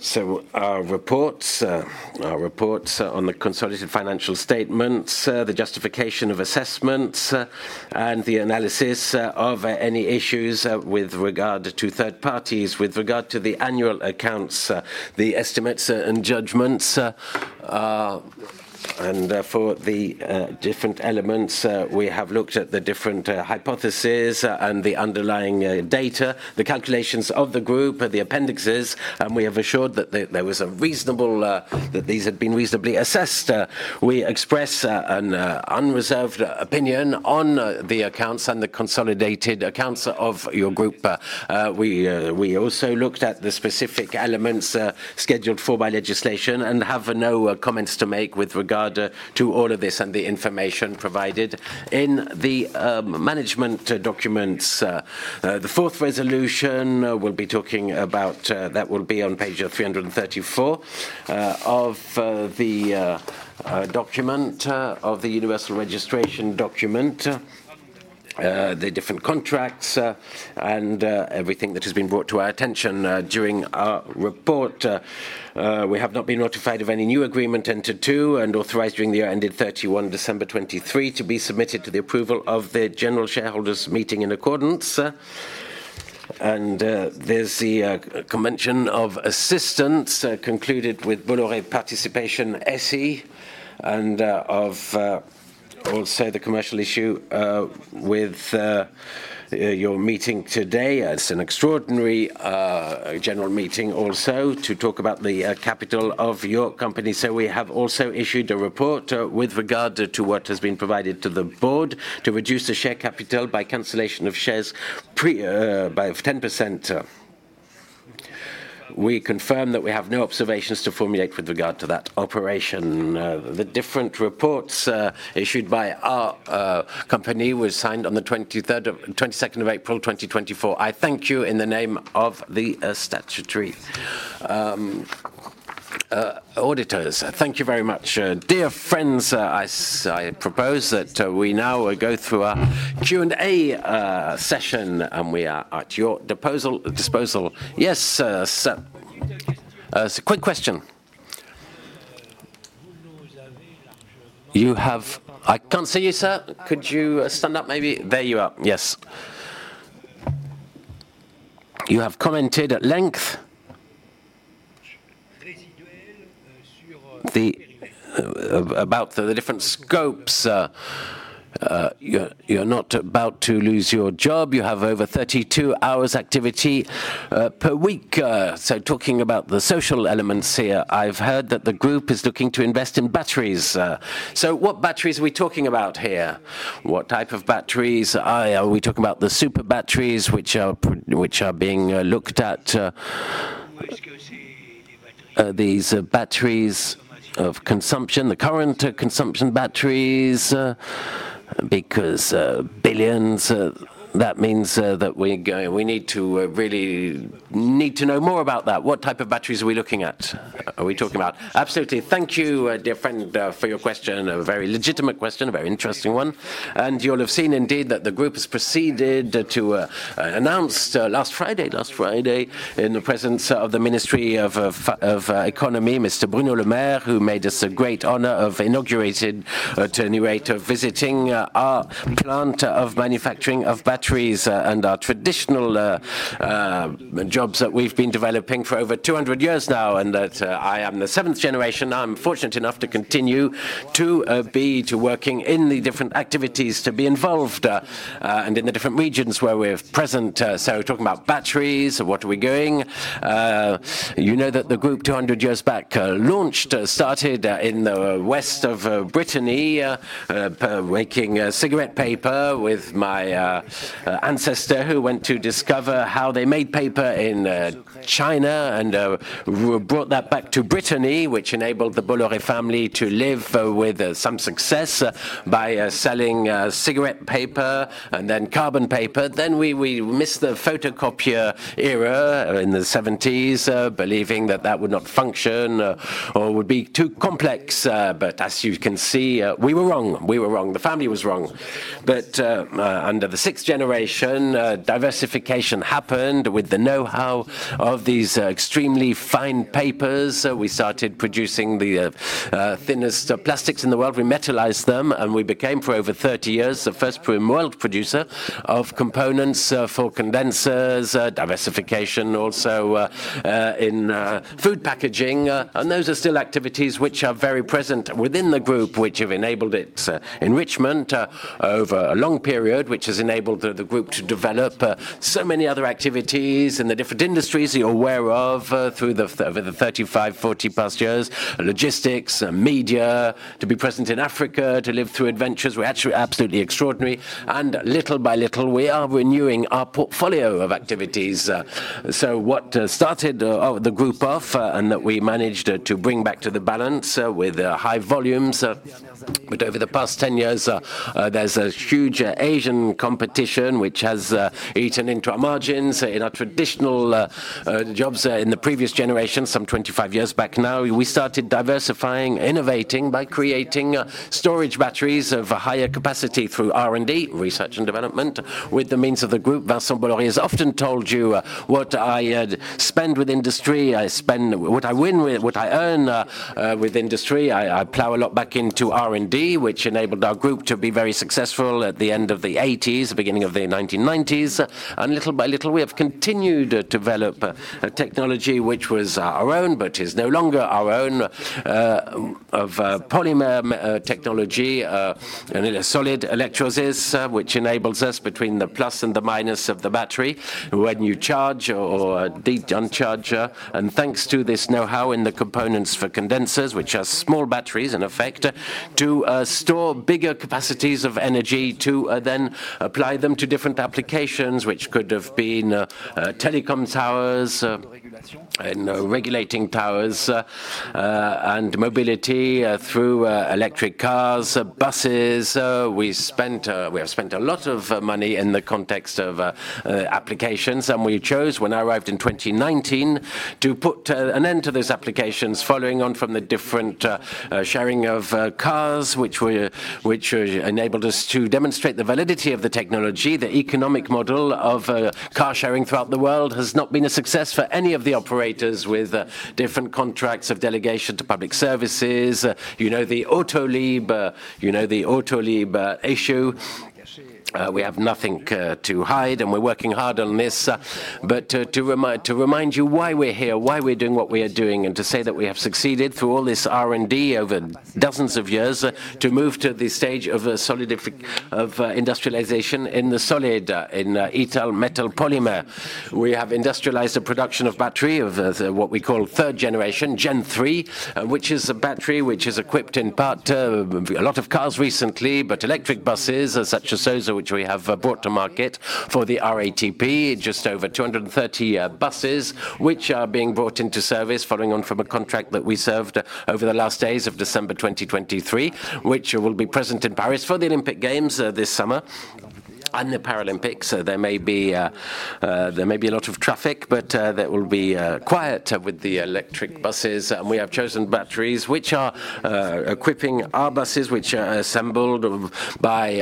So our reports on the consolidated financial statements, the justification of assessments, and the analysis of any issues with regard to third parties. With regard to the annual accounts, the estimates, and judgments, and for the different elements, we have looked at the different hypotheses, and the underlying data, the calculations of the group, the appendixes, and we have assured that there was a reasonable that these had been reasonably assessed. We express an unreserved opinion on the accounts and the consolidated accounts of your group. We also looked at the specific elements scheduled for by legislation and have no comments to make with regard to all of this and the information provided. In the management documents, the fourth resolution, we'll be talking about, that will be on page 334, of the document of the universal registration document, the different contracts, and everything that has been brought to our attention, during our report. We have not been notified of any new agreement entered to and authorized during the year ending 31 December, 2023, to be submitted to the approval of the general shareholders meeting in accordance. There's the convention of assistance, concluded with Bollorè Participation SC, and of also the commercial issue, with your meeting today as an extraordinary general meeting, also to talk about the capital of your company. So we have also issued a report, with regard to what has been provided to the board to reduce the share capital by cancellation of shares pre by 10%. We confirm that we have no observations to formulate with regard to that operation. The different reports issued by our company was signed on the 22nd of April, 2024. I thank you in the name of the statutory auditors. Thank you very much. Dear friends, I propose that we now go through our Q&A session, and we are at your disposal. Yes, sir. So quick question. You have... I can't see you, sir. Could you stand up, maybe? There you are. Yes. You have commented at length-...About the different scopes, you're not about to lose your job. You have over 32 hours activity per week. So talking about the social elements here, I've heard that the group is looking to invest in batteries. So what batteries are we talking about here? What type of batteries are we talking about the super batteries, which are being looked at? These batteries of consumption, the current consumption batteries, because Bolloré, that means that we're going we need to really need to know more about that. What type of batteries are we looking at? Are we talking about? Absolutely. Thank you, dear friend, for your question. A very legitimate question, a very interesting one. You'll have seen indeed that the group has proceeded to announce last Friday, in the presence of the Minister of Economy, Mr. Bruno Le Maire, who made us a great honor of inaugurating, at any rate, of visiting our plant of manufacturing of batteries, and our traditional jobs that we've been developing for over 200 years now, and that I am the seventh generation. I'm fortunate enough to continue to be working in the different activities, to be involved, and in the different regions where we're present. So talking about batteries, what are we doing? You know that the group, 200 years back, launched, started, in the west of, Brittany, making, cigarette paper with my, ancestor, who went to discover how they made paper in, China and, brought that back to Brittany, which enabled the Bolloré family to live, with, some success, by, selling, cigarette paper and then carbon paper. Then we, we missed the photocopier era in the 1970s, believing that that would not function, or would be too complex. But as you can see, we were wrong. We were wrong. The family was wrong. But, under the sixth generation, diversification happened with the know-how of these, extremely fine papers. We started producing the, thinnest plastics in the world. We metallized them, and we became, for over 30 years, the first world producer of components for condensers, diversification also in food packaging. And those are still activities which are very present within the group, which have enabled its enrichment over a long period, which has enabled the group to develop so many other activities in the different industries you're aware of, over the 35, 40 past years: logistics, media, to be present in Africa, to live through adventures were actually absolutely extraordinary, and little by little, we are renewing our portfolio of activities. So what started the group off, and that we managed to bring back to the balance with high volumes, but over the past 10 years, there's a huge Asian competition, which has eaten into our margins in our traditional jobs. In the previous generation, some 25 years back now, we started diversifying, innovating by creating storage batteries of a higher capacity through R&D, research and development, with the means of the group. Vincent Bolloré has often told you, what I spend with industry, I spend... What I win with, what I earn with industry, I plow a lot back into R&D, which enabled our group to be very successful at the end of the 1980s, the beginning of the 1990s. And little by little, we have continued to develop a technology which was our own, but is no longer our own, of polymer technology and a solid electrolyte, which enables us between the plus and the minus of the battery when you charge or discharge. And thanks to this know-how in the components for condensers, which are small batteries, in effect, to store bigger capacities of energy to then apply them to different applications, which could have been telecom towers and regulating towers and mobility through electric cars, buses. We have spent a lot of money in the context of applications, and we chose, when I arrived in 2019, to put an end to these applications, following on from the different sharing of cars, which we enabled us to demonstrate the validity of the technology. The economic model of car sharing throughout the world has not been a success for any of the operators with different contracts of delegation to public services. You know, the Autolib', you know, the Autolib', issue. We have nothing to hide, and we're working hard on this. But to remind you why we're here, why we're doing what we are doing, and to say that we have succeeded through all this R&D over dozens of years, to move to the stage of industrialization of the solid lithium metal polymer. We have industrialized the production of the battery, what we call the third generation, Gen3, which is a battery which is equipped in part a lot of cars recently, but electric buses, such as those which we have brought to market for the RATP, just over 230 buses, which are being brought into service following on from a contract that we served over the last days of December 2023, which will be present in Paris for the Olympic Games this summer. and the Paralympics, so there may be a lot of traffic, but that will be quiet with the electric buses. And we have chosen batteries which are equipping our buses, which are assembled by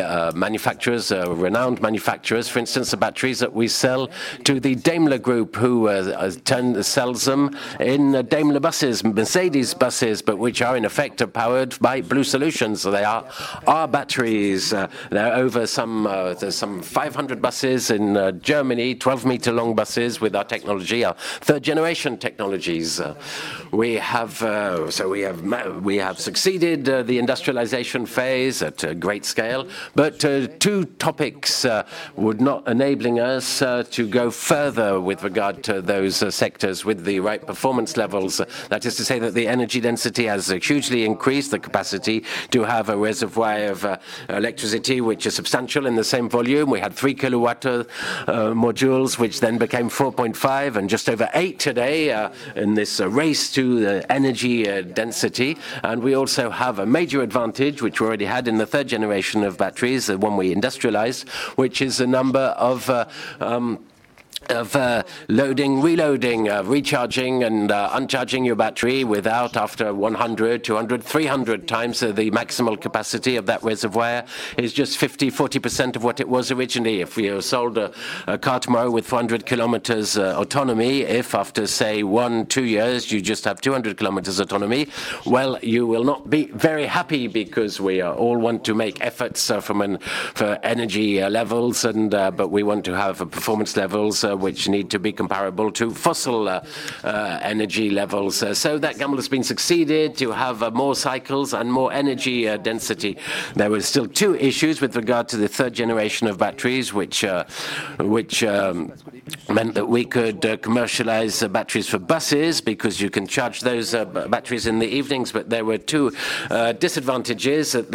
renowned manufacturers. For instance, the batteries that we sell to the Daimler Group, who sells them in Daimler buses, Mercedes buses, but which are in effect powered by Blue Solutions. So they are our batteries. There are over some 500 buses in Germany, 12-meter long buses with our technology, our third-generation technologies. We have succeeded the industrialization phase at a great scale. But two topics were not enabling us to go further with regard to those sectors with the right performance levels. That is to say that the energy density has hugely increased, the capacity to have a reservoir of electricity, which is substantial. In the same volume, we had 3 kW modules, which then became 4.5, and just over eight today, in this race to the energy density. And we also have a major advantage, which we already had in the third generation of batteries, when we industrialized, which is the number of loading, reloading, recharging, and uncharging your battery without after 100, 200, 300 times the maximal capacity of that reservoir is just 50%-40% of what it was originally. If we sold a car tomorrow with 400 kilometers autonomy, if after, say, one, two years, you just have 200 kilometers autonomy, well, you will not be very happy because we all want to make efforts for energy levels, and but we want to have performance levels which need to be comparable to fossil energy levels. So that gamble has been succeeded, to have more cycles and more energy density. There were still two issues with regard to the third generation of batteries, which meant that we could commercialize batteries for buses, because you can charge those batteries in the evenings. But there were two disadvantages: that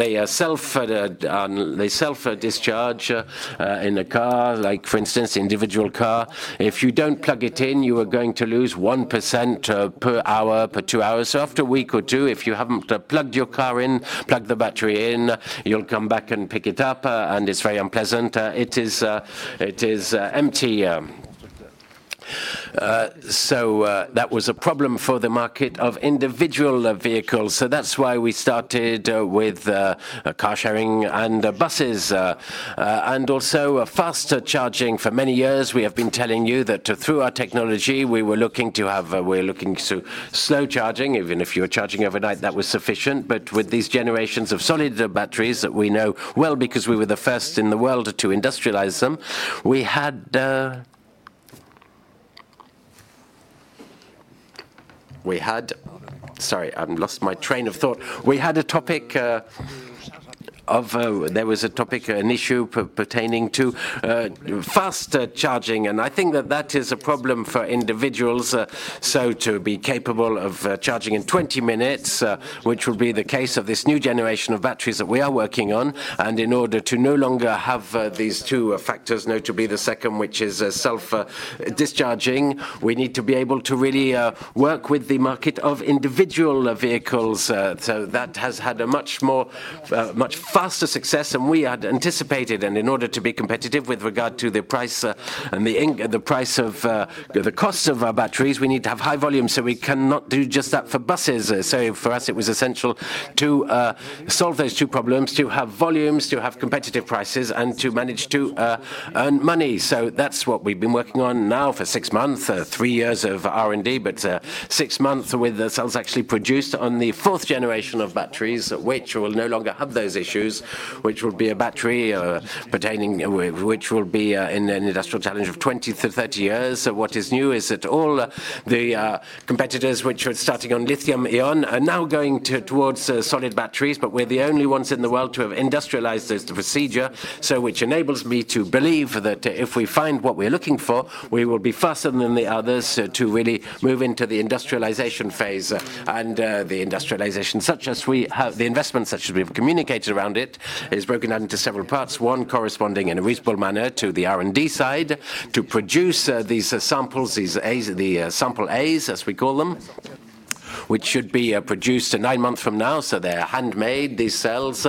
they self-discharge in a car, like for instance, individual car. If you don't plug it in, you are going to lose 1% per hour, per two hours. So after a week or two, if you haven't plugged your car in, plugged the battery in, you'll come back and pick it up, and it's very unpleasant. It is empty. So that was a problem for the market of individual vehicles. So that's why we started with car sharing and buses and also a faster charging. For many years, we have been telling you that through our technology, we were looking to have, we're looking to slow charging. Even if you were charging overnight, that was sufficient. But with these generations of solid batteries that we know well because we were the first in the world to industrialize them, we had... Sorry, I've lost my train of thought. There was a topic, an issue pertaining to faster charging, and I think that that is a problem for individuals. So to be capable of charging in 20 minutes, which will be the case of this new generation of batteries that we are working on, and in order to no longer have these two factors, notably the second, which is self discharging, we need to be able to really work with the market of individual vehicles. So that has had a much more much faster success than we had anticipated. And in order to be competitive with regard to the price, and the price of, the costs of our batteries, we need to have high volume, so we cannot do just that for buses. So for us, it was essential to solve those two problems, to have volumes, to have competitive prices, and to manage to earn money. So that's what we've been working on now for six months, three years of R&D, but six months with the cells actually produced on the fourth generation of batteries, which will no longer have those issues, which will be a battery, which will be an industrial challenge of 20-30 years. So what is new is that all the competitors which are starting on lithium-ion are now going towards solid batteries, but we're the only ones in the world to have industrialized this procedure. So which enables me to believe that if we find what we're looking for, we will be faster than the others to really move into the industrialization phase. And the industrialization, such as we have, the investments that we have communicated around it, is broken down into several parts. One, corresponding in a reasonable manner to the R&D side, to produce these samples, these A's, the sample A's, as we call them, which should be produced nine months from now. So they are handmade, these cells.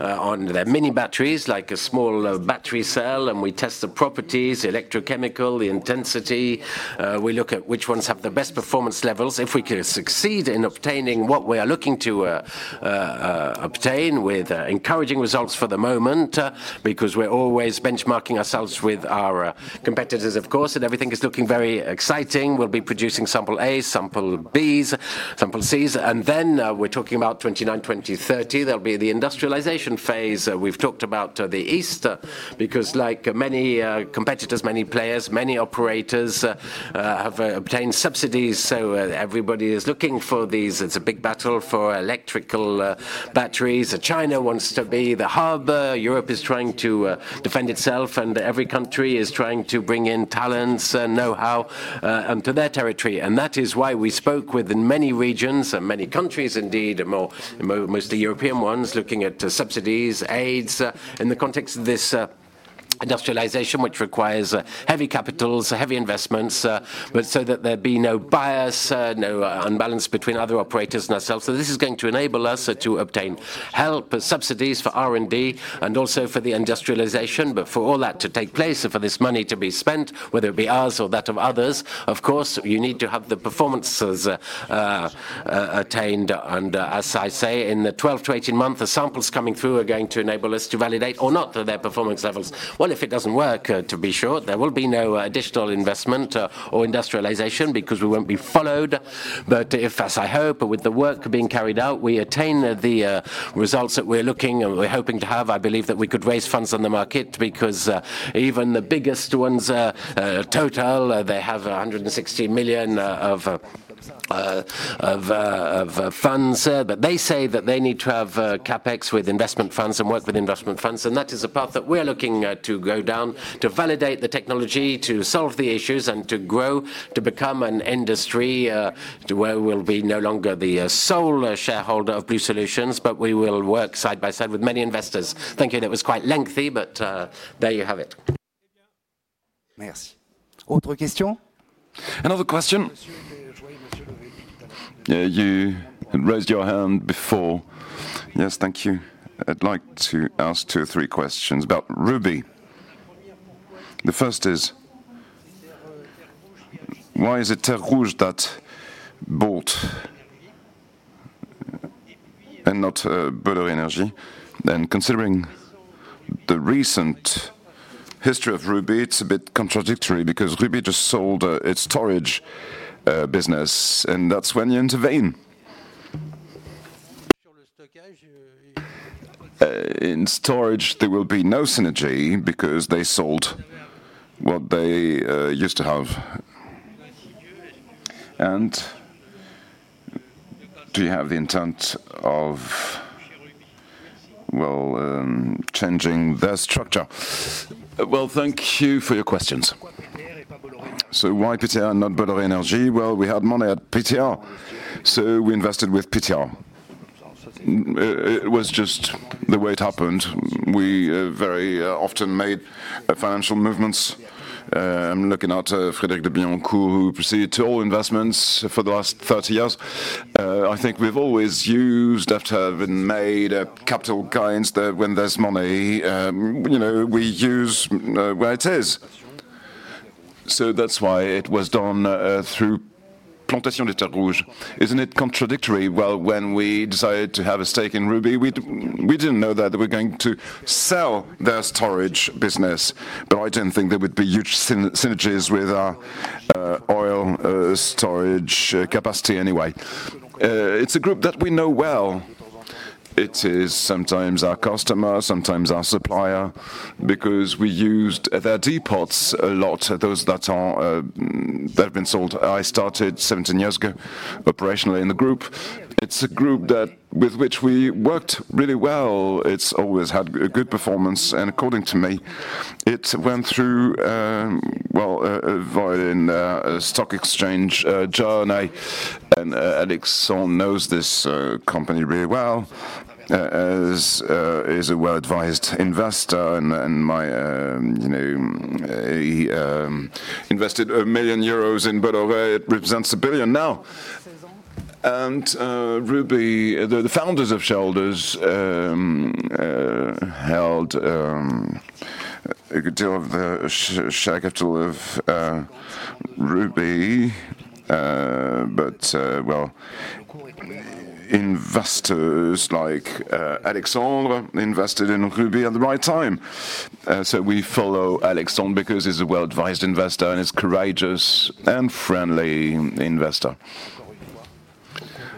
On their mini batteries, like a small battery cell, and we test the properties, electrochemical, the intensity. We look at which ones have the best performance levels. If we can succeed in obtaining what we are looking to obtain, with encouraging results for the moment, because we're always benchmarking ourselves with our competitors, of course, and everything is looking very exciting. We'll be producing Sample A's, Sample B's, Sample C's, and then, we're talking about 2029, 2030, there'll be the industrialization phase. We've talked about the East, because like many competitors, many players, many operators have obtained subsidies, so everybody is looking for these. It's a big battle for electrical batteries. China wants to be the hub, Europe is trying to defend itself, and every country is trying to bring in talents and know-how unto their territory. That is why we spoke with many regions and many countries, indeed, mostly European ones, looking at subsidies, aids, in the context of this industrialization, which requires heavy capitals, heavy investments, but so that there'd be no bias, no unbalance between other operators and ourselves. So this is going to enable us to obtain help and subsidies for R&D, and also for the industrialization. But for all that to take place and for this money to be spent, whether it be ours or that of others, of course, you need to have the performances attained. And as I say, in the 12-18 months, the samples coming through are going to enable us to validate or not their performance levels. Well, if it doesn't work, to be sure, there will be no additional investment or industrialization because we won't be followed. But if, as I hope, with the work being carried out, we attain the results that we're looking and we're hoping to have, I believe that we could raise funds on the market, because even the biggest ones, Total, they have 160 million of funds. But they say that they need to have CapEx with investment funds and work with investment funds, and that is a path that we're looking to go down, to validate the technology, to solve the issues, and to grow, to become an industry, to where we'll be no longer the sole shareholder of Blue Solutions, but we will work side by side with many investors. Thank you. That was quite lengthy, but there you have it. Another question? Another question. Yeah, you raised your hand before. Yes, thank you. I'd like to ask two or three questions about Rubis. The first is, why is it Terres Rouges that bought and not Bolloré Energy? Then, considering the recent history of Rubis, it's a bit contradictory, because Rubis just sold its storage. In storage, there will be no synergy because they sold what they used to have. And do you have the intent of, well, changing their structure? Well, thank you for your questions. So why PTR and not Bolloré Energy? Well, we had money at PTR, so we invested with PTR. It was just the way it happened. We, very, often made financial movements. I'm looking at, Cédric de Bailliencourt, who proceeded to all investments for the last 30 years. I think we've always used after having made, capital gains, that when there's money, you know, we use, where it is. So that's why it was done, through Plantations des Terres Rouges. Isn't it contradictory? Well, when we decided to have a stake in Rubis, we didn't know that they were going to sell their storage business, but I didn't think there would be huge synergies with our, oil, storage, capacity anyway. It's a group that we know well. It is sometimes our customer, sometimes our supplier, because we used their depots a lot, those that are, that have been sold. I started 17 years ago, operationally in the group. It's a group that with which we worked really well. It's always had a good performance, and according to me, it went through, well, a violent stock exchange journey, and, Alexandre knows this company very well, as, he's a well-advised investor and, and my, you know, he invested 1 million euros in Bolloré. It represents 1 billion now. And, Rubis, the, the founders of Bolloré held a good deal of the share capital of Rubis. But, well, investors like Alexandre invested in Rubis at the right time. So we follow Alexandre because he's a well-advised investor, and he's courageous and friendly investor.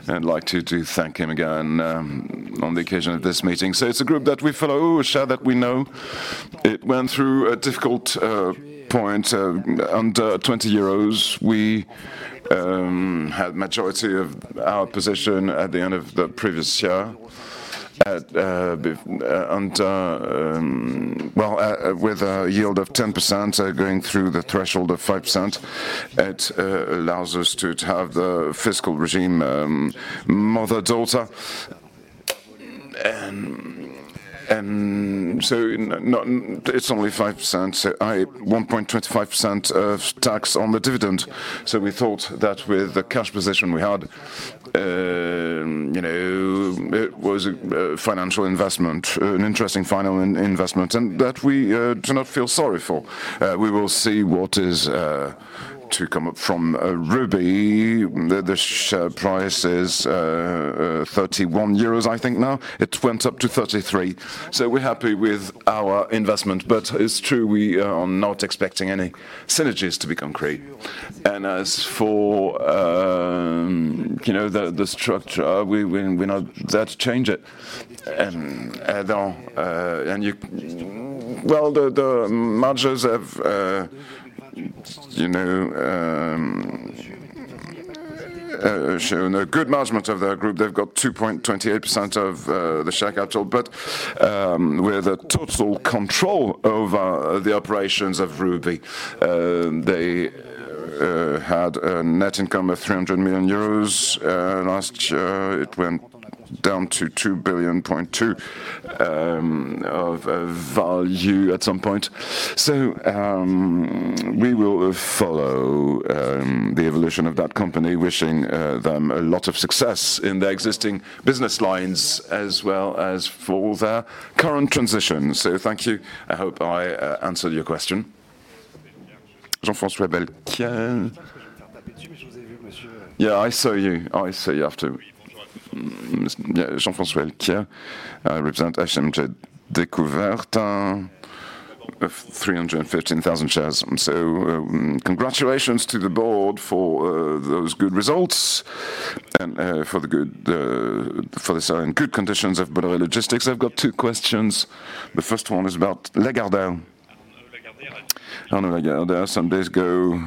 I'd like to thank him again on the occasion of this meeting. So it's a group that we follow, a share that we know. It went through a difficult point under 20 euros. We had majority of our position at the end of the previous year, at be, and. Well, with a yield of 10%, going through the threshold of 5%, it allows us to have the fiscal regime mother, daughter. And so no, it's only 5%, so one point 1.25% of tax on the dividend. So we thought that with the cash position we had, you know, it was a financial investment, an interesting financial investment, and that we do not feel sorry for. We will see what is to come up from Rubis. The share price is 31 euros, I think now. It went up to 33. So we're happy with our investment, but it's true, we are not expecting any synergies to be concrete. And as for, you know, the structure, we're not there to change it. And, though, and you-- Well, the managers have, you know, shown a good management of their group. They've got 2.28% of the share capital, but with a total control over the operations of Rubis. They had a net income of 300 million euros. Last year, it went down to 2.2 billion of value at some point. So we will follow the evolution of that company, wishing them a lot of success in their existing business lines, as well as for their current transition. So thank you. I hope I answered y our question. Jean-François Delcaire? Yeah, I saw you. I saw you after. Yeah, Jean-François Delcaire. I represent HMG Découvertes of 315,000 shares. So congratulations to the board for those good results, and for the good for the selling good conditions of Bolloré Logistics. I've got two questions. The first one is about Lagardère. Arnaud Lagardère, some days ago,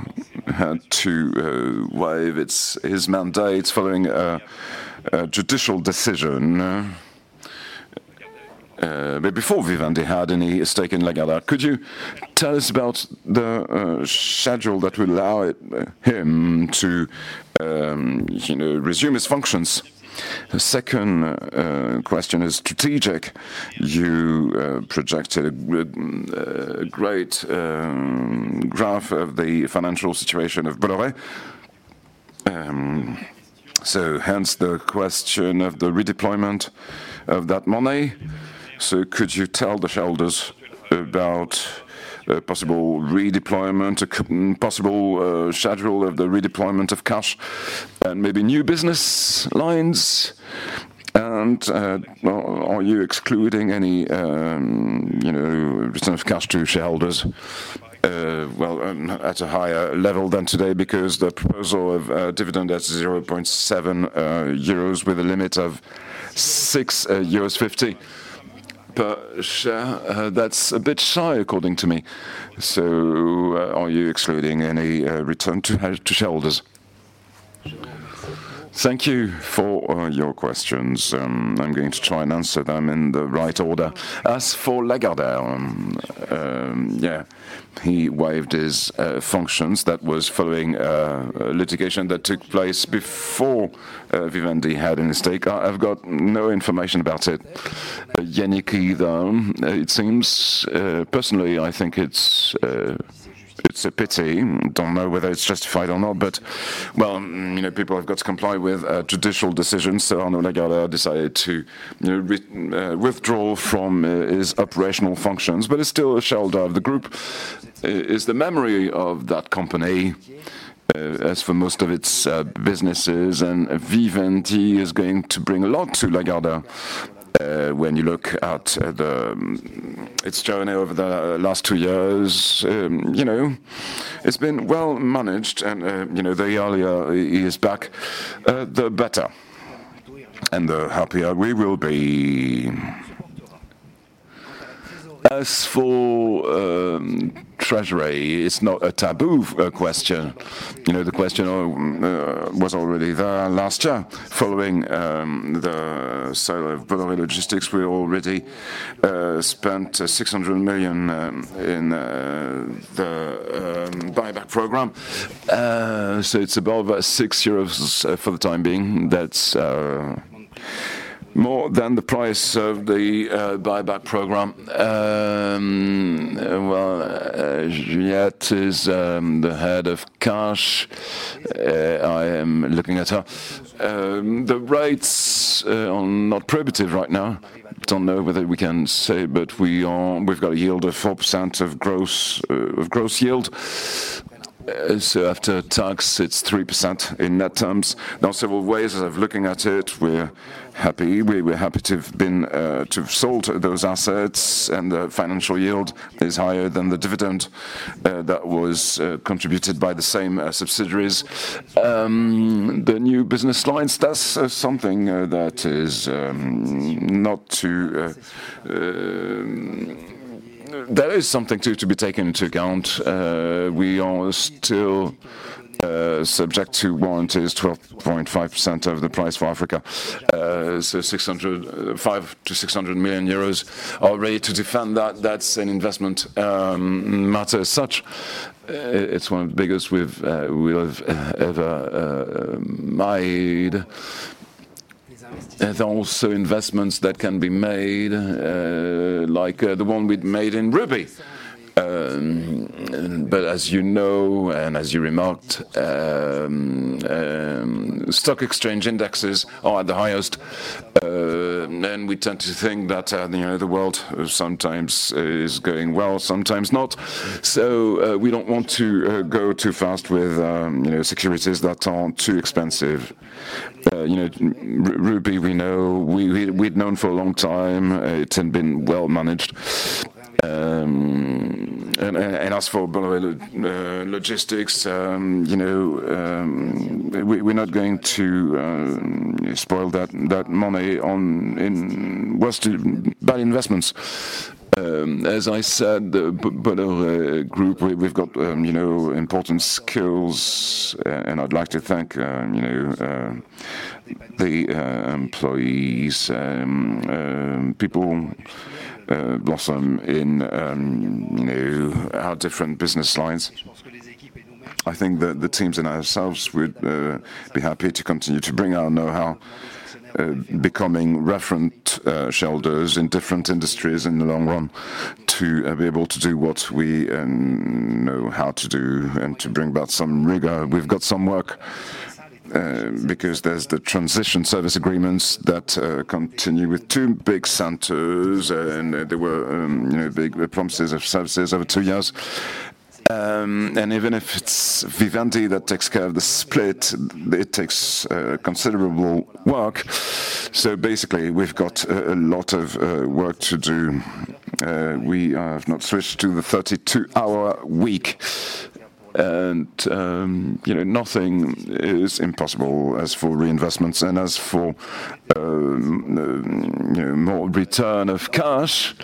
had to waive his mandates following a judicial decision. But before Vivendi, he had and he has taken Lagardère. Could you tell us about the schedule that will allow it, him to, you know, resume his functions? The second question is strategic. You projected great graph of the financial situation of Bolloré. So hence the question of the redeployment of that money. So could you tell the shareholders about a possible redeployment, a possible schedule of the redeployment of cash and maybe new business lines? And, well, are you excluding any, you know, return of cash to shareholders, well, at a higher level than today? Because the proposal of dividend at 0.7 euros, with a limit of 6.50 euros per share, that's a bit shy, according to me. So, are you excluding any return to share, to shareholders? Thank you for your questions. I'm going to try and answer them in the right order. As for Lagardère, yeah, he waived his functions. That was following litigation that took place before Vivendi had in his take. I've got no information about it. Yannick, either, it seems... Personally, I think it's a pity. Don't know whether it's justified or not, but well, you know, people have got to comply with judicial decisions, so Arnaud Lagardère decided to withdraw from his operational functions, but he's still a shareholder of the group. It's the memory of that company as for most of its businesses, and Vivendi is going to bring a lot to Lagardère. When you look at its journey over the last two years, you know, it's been well managed and, you know, the earlier he is back, the better, and the happier we will be. As for treasury, it's not a taboo question. You know, the question was already there last year. Following the sale of Bolloré Logistics, we already spent 600 million in the buyback program. So it's above 6 euros for the time being. That's more than the price of the buyback program. Well, Juliette is the head of cash. I am looking at her. The rates are not prohibitive right now. Don't know whether we can say, but we've got a yield of 4% of gross, of gross yield. So after tax, it's 3% in net terms. There are several ways of looking at it. We're happy. We're happy to have sold those assets, and the financial yield is higher than the dividend that was contributed by the same subsidiaries. The new business lines, that's something that is to be taken into account. We are still subject to warranties, 12.5% of the price for Africa. So 500 million-600 million euros are ready to defend that. That's an investment matter as such. It's one of the biggest we've, we have ever made. There are also investments that can be made, like, the one we'd made in Rubis. But as you know, and as you remarked, stock exchange indexes are at the highest, and we tend to think that, you know, the world sometimes is going well, sometimes not. So, we don't want to go too fast with, you know, securities that are too expensive. You know, Rubis, we know, we, we'd known for a long time. It had been well managed. And as for Bolloré Logistics, you know, we, we're not going to spoil that, that money on, in worst, bad investments. As I said, the Bolloré Group, we've, we've got, you know, important skills, and I'd like to thank, you know, the employees, people who blossom in, you know, our different business lines. I think that the teams and ourselves would be happy to continue to bring our know-how, becoming referent shareholders in different industries in the long run, to be able to do what we know how to do and to bring about some rigor. We've got some work, because there's the transition service agreements that continue with two big centers, and there were, you know, big promises of services over two years. And even if it's Vivendi that takes care of the split, it takes considerable work. So basically, we've got a lot of work to do. We have not switched to the 32-hour week, and, you know, nothing is impossible as for reinvestments and as for, you know, more return of cash.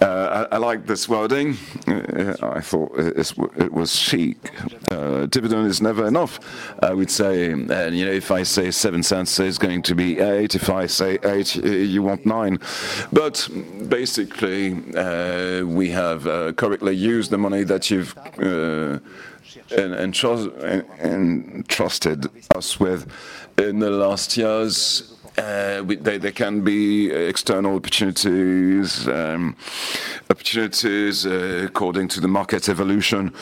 I like this wording. I thought it was chic. Dividend is never enough, I would say. And, you know, if I say 0.07, it's going to be 0.08. If I say 0.08, you want 0.09. But basically, we have correctly used the money that you've trusted us with in the last years. There can be external opportunities, opportunities according to the market evolution.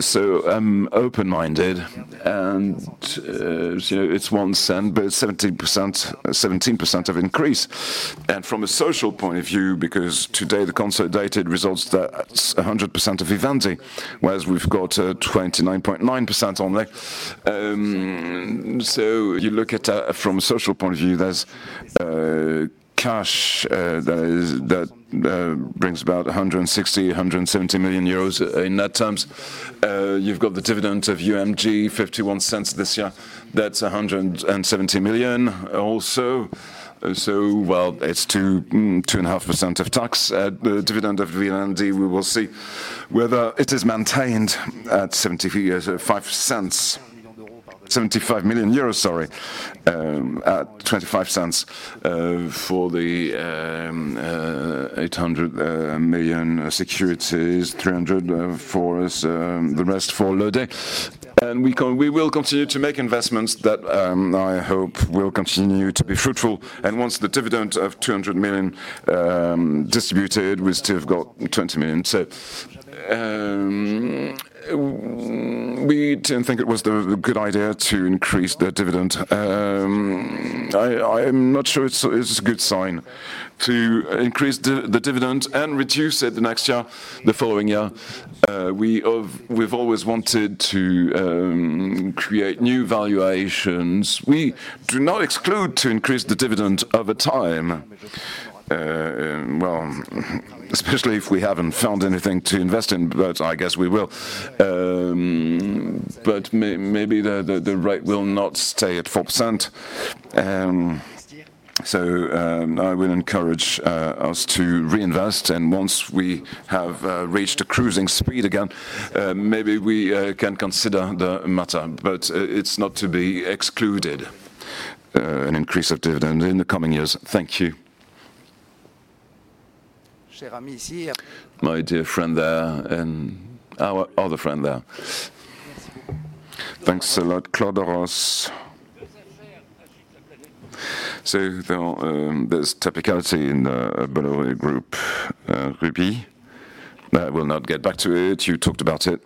So I'm open-minded, and, you know, it's 0.01, but it's 17%, 17% of increase. From a social point of view, because today the consolidated results, that's 100% of Vivendi, whereas we've got 29.9% on there. So you look at from a social point of view, there's cash that brings about 160 million-170 million euros in net terms. You've got the dividend of UMG, 0.51 this year. That's 170 million also. So well, it's 2%-2.5% of tax. The dividend of Vivendi, we will see whether it is maintained at 0.75. 75 million euros, sorry, at 0.25, for the 800 million securities, 300 for the rest for Lodewijk. We will continue to make investments that, I hope will continue to be fruitful. And once the dividend of 200 million distributed, we still have got 20 million. So, we didn't think it was a good idea to increase the dividend. I'm not sure it's a good sign to increase the dividend and reduce it the next year, the following year. We've always wanted to create new valuations. We do not exclude to increase the dividend over time. Well, especially if we haven't found anything to invest in, but I guess we will. But maybe the rate will not stay at 4%. So, I will encourage us to reinvest, and once we have reached a cruising speed again, maybe we can consider the matter. But, it's not to be excluded, an increase of dividend in the coming years. Thank you. My dear friend there, and our other friend there. Thanks a lot, Claude Haroche. So there are, there's typicality in the Bolloré group, Rubis. I will not get back to it. You talked about it.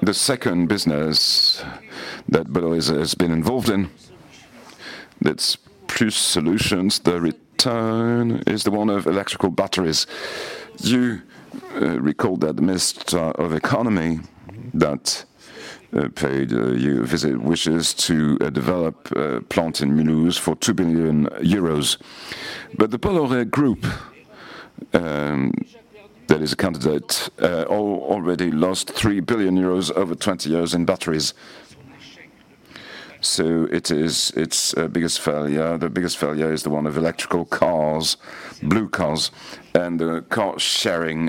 The second business that Bolloré has been involved in, that's Blue Solutions. The return is the one of electrical batteries. You recalled that the Minister of Economy that paid you a visit, wishes to develop a plant in Mulhouse for 2 billion euros. But the Bolloré group, that is a candidate, already lost 3 billion euros over 20 years in batteries. So it is its biggest failure. The biggest failure is the one of electric cars, Bluecar, and the car-sharing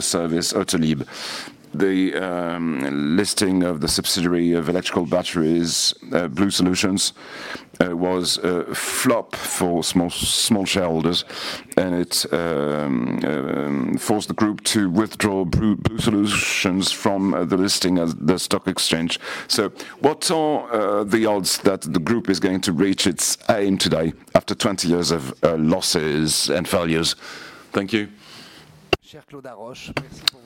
service, Autolib'. The listing of the subsidiary of electric batteries, Blue Solutions, was a flop for small shareholders, and it forced the group to withdraw Blue Solutions from the listing of the stock exchange. So what are the odds that the group is going to reach its aim today after 20 years of losses and failures? Thank you.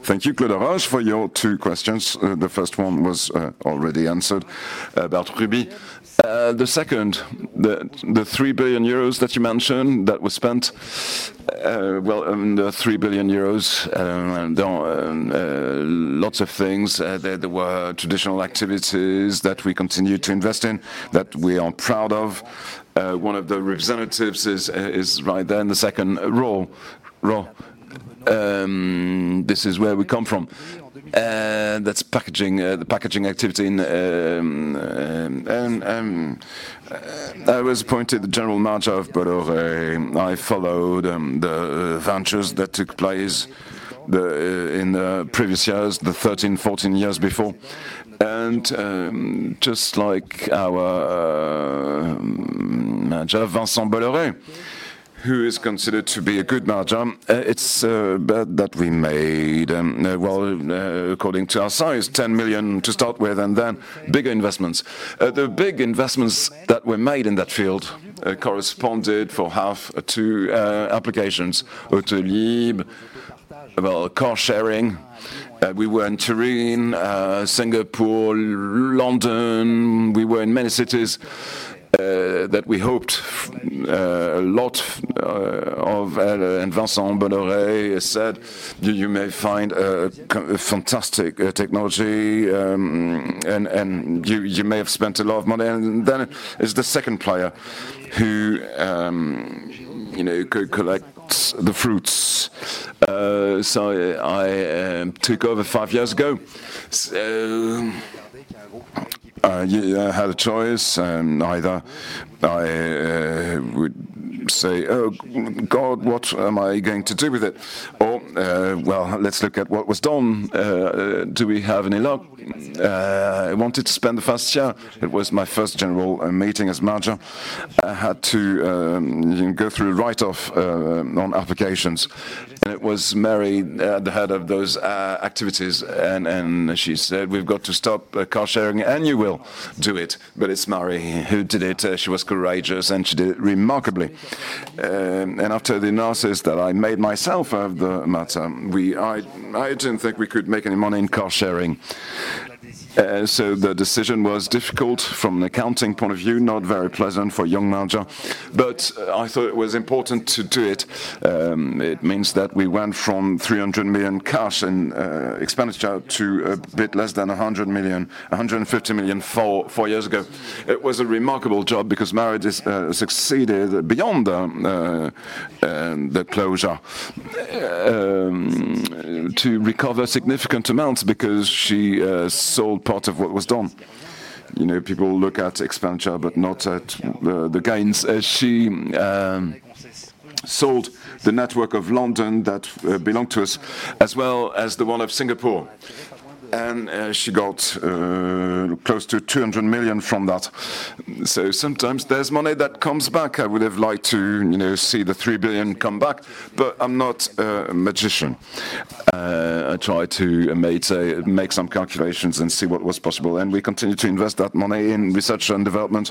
Thank you, Claude Haroche, for your two questions. The first one was already answered about Rubis. The second, the three billion euros that you mentioned that was spent, well, the EUR 3 billion, there are lots of things. There were traditional activities that we continue to invest in, that we are proud of. One of the representatives is right there in the second row. This is where we come from, and that's packaging, the packaging activity in. I was appointed the General Manager of Bolloré. I followed the ventures that took place in the previous years, the 13, 14 years before. Just like our manager, Vincent Bolloré, who is considered to be a good manager, it's bad that we made, well, according to our size, 10 million to start with, and then bigger investments. The big investments that were made in that field corresponded for half, two applications, Autolib', well, car sharing. We were in Turin, Singapore, London. We were in many cities that we hoped a lot of, and Vincent Bolloré said, "You may find a fantastic technology, and you may have spent a lot of money, and then is the second player who, you know, could collect the fruits." So I took over five years ago. So I had a choice, either I would say, "Oh, God, what am I going to do with it?" or "Well, let's look at what was done. Do we have any luck?" I wanted to spend the first year. It was my first general meeting as manager. I had to go through write-off on applications, and it was Marie, the head of those activities, and she said, "We've got to stop car sharing, and you will do it." But it's Marie who did it. She was courageous, and she did it remarkably. And after the analysis that I made myself of the matter, I, I didn't think we could make any money in car sharing. So the decision was difficult from an accounting point of view, not very pleasant for a young manager, but I thought it was important to do it. It means that we went from 300 million cash and expenditure to a bit less than 100 million, 150 million four years ago. It was a remarkable job because Marie just succeeded beyond the closure to recover significant amounts because she sold part of what was done. You know, people look at expenditure, but not at the gains. As she sold the network of London that belonged to us, as well as the one of Singapore, and she got close to 200 million from that. So sometimes there's money that comes back. I would have liked to, you know, see the 3 billion come back, but I'm not a magician. I try to make make some calculations and see what was possible, and we continue to invest that money in research and development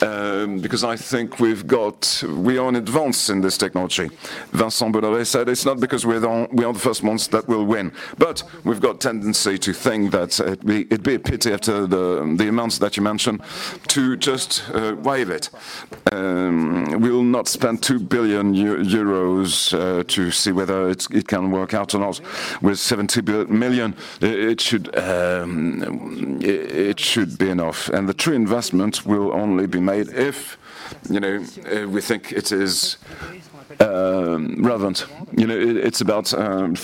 because I think we've got. We are in advance in this technology. Vincent Bolloré said, "It's not because we're the only ones that will win," but we've got tendency to think that, it'd be, it'd be a pity after the, the amounts that you mentioned, to just, waive it. We will not spend 2 billion euros, to see whether it's, it can work out or not. With 70 million, it should, it, it should be enough, and the true investment will only be made if, you know, we think it is, relevant. You know, it, it's about,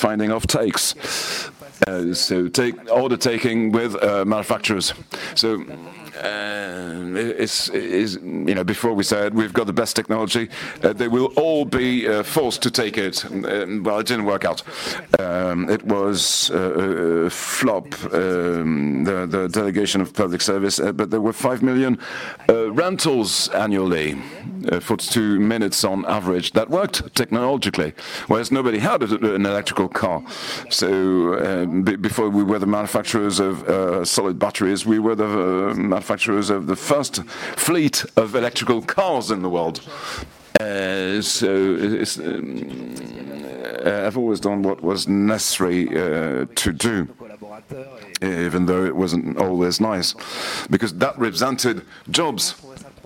finding offtakes, so order taking with, manufacturers. So, it's, it is, you know, before we said we've got the best technology, they will all be, forced to take it, and, well, it didn't work out. It was a flop, the delegation of public service, but there were five million rentals annually for two minutes on average. That worked technologically, whereas nobody had an electric car. So, before we were the manufacturers of solid batteries, we were the manufacturers of the first fleet of electric cars in the world. So it's... I've always done what was necessary to do, even though it wasn't always nice, because that represented jobs.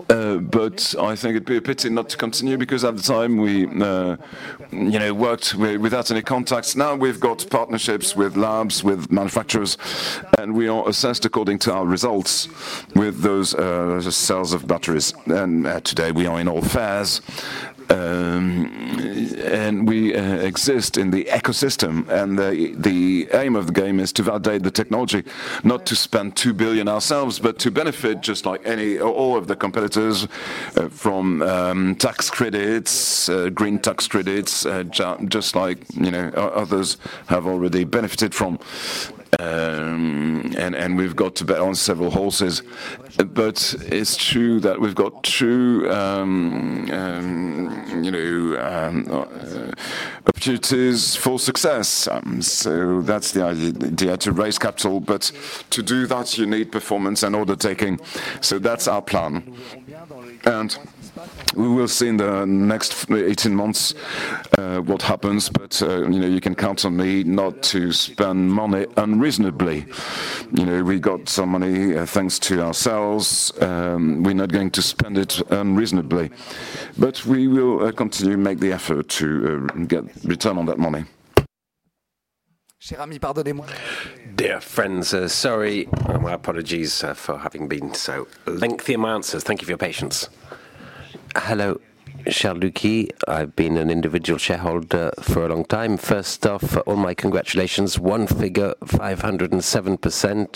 But I think it'd be a pity not to continue, because at the time, we, you know, worked without any contacts. Now, we've got partnerships with labs, with manufacturers, and we are assessed according to our results with those cells of batteries. Today, we are in all phases, and we exist in the ecosystem, and the aim of the game is to validate the technology. Not to spend 2 billion ourselves, but to benefit, just like any or all of the competitors, from tax credits, green tax credits, just like, you know, others have already benefited from. And we've got to bet on several horses, but it's true that we've got two, you know, opportunities for success. So that's the idea, to raise capital, but to do that, you need performance and order taking. So that's our plan. And we will see in the next 18 months, what happens, but, you know, you can count on me not to spend money unreasonably. You know, we got some money, thanks to ourselves. We're not going to spend it unreasonably, but we will continue to make the effort to get return on that money. Dear friends, sorry. My apologies for having been so lengthy in my answers. Thank you for your patience. Hello. Charles Lucchi. I've been an individual shareholder for a long time. First off, all my congratulations. One figure, 507%.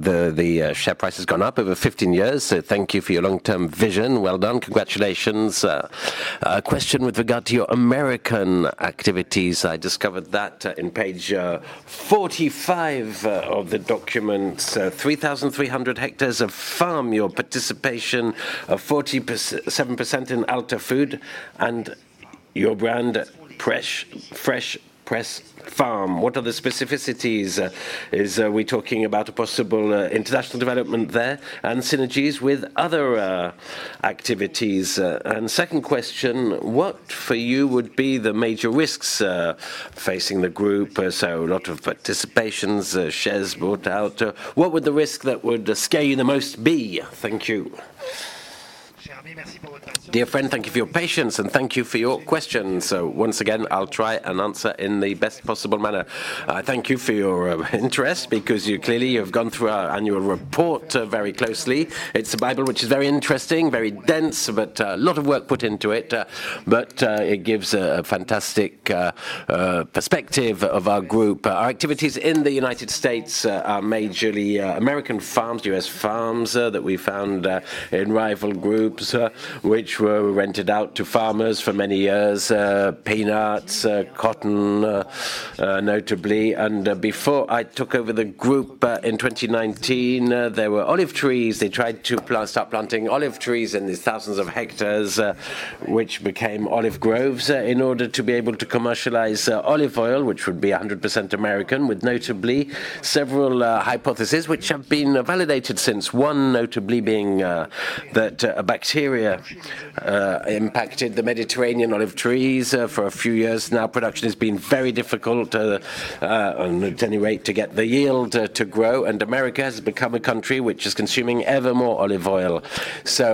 The share price has gone up over 15 years, so thank you for your long-term vision. Well done. Congratulations. A question with regard to your American activities. I discovered that in page 45 of the document. So 3,300 hectares of farm, your participation of 47% in Alterfood, and your brand Fresh Press Farms. What are the specificities? Is we talking about a possible international development there and synergies with other activities? And second question: What, for you, would be the major risks facing the group? So a lot of participations, shares bought out. What would the risk that would scare you the most be? Thank you. Dear friend, thank you for your patience, and thank you for your questions. So once again, I'll try and answer in the best possible manner. Thank you for your interest, because you clearly you've gone through our annual report very closely. It's a Bible, which is very interesting, very dense, but a lot of work put into it. But it gives a fantastic perspective of our group. Our activities in the United States are majorly American farms, US farms that we found in rival groups which were rented out to farmers for many years peanuts cotton notably. Before I took over the group in 2019 there were olive trees. They tried to start planting olive trees in these thousands of hectares, which became olive groves, in order to be able to commercialize olive oil, which would be 100% American, with notably several hypotheses, which have been validated since. One notably being that a bacteria impacted the Mediterranean olive trees. For a few years now, production has been very difficult, at any rate, to get the yield to grow, and America has become a country which is consuming ever more olive oil. So,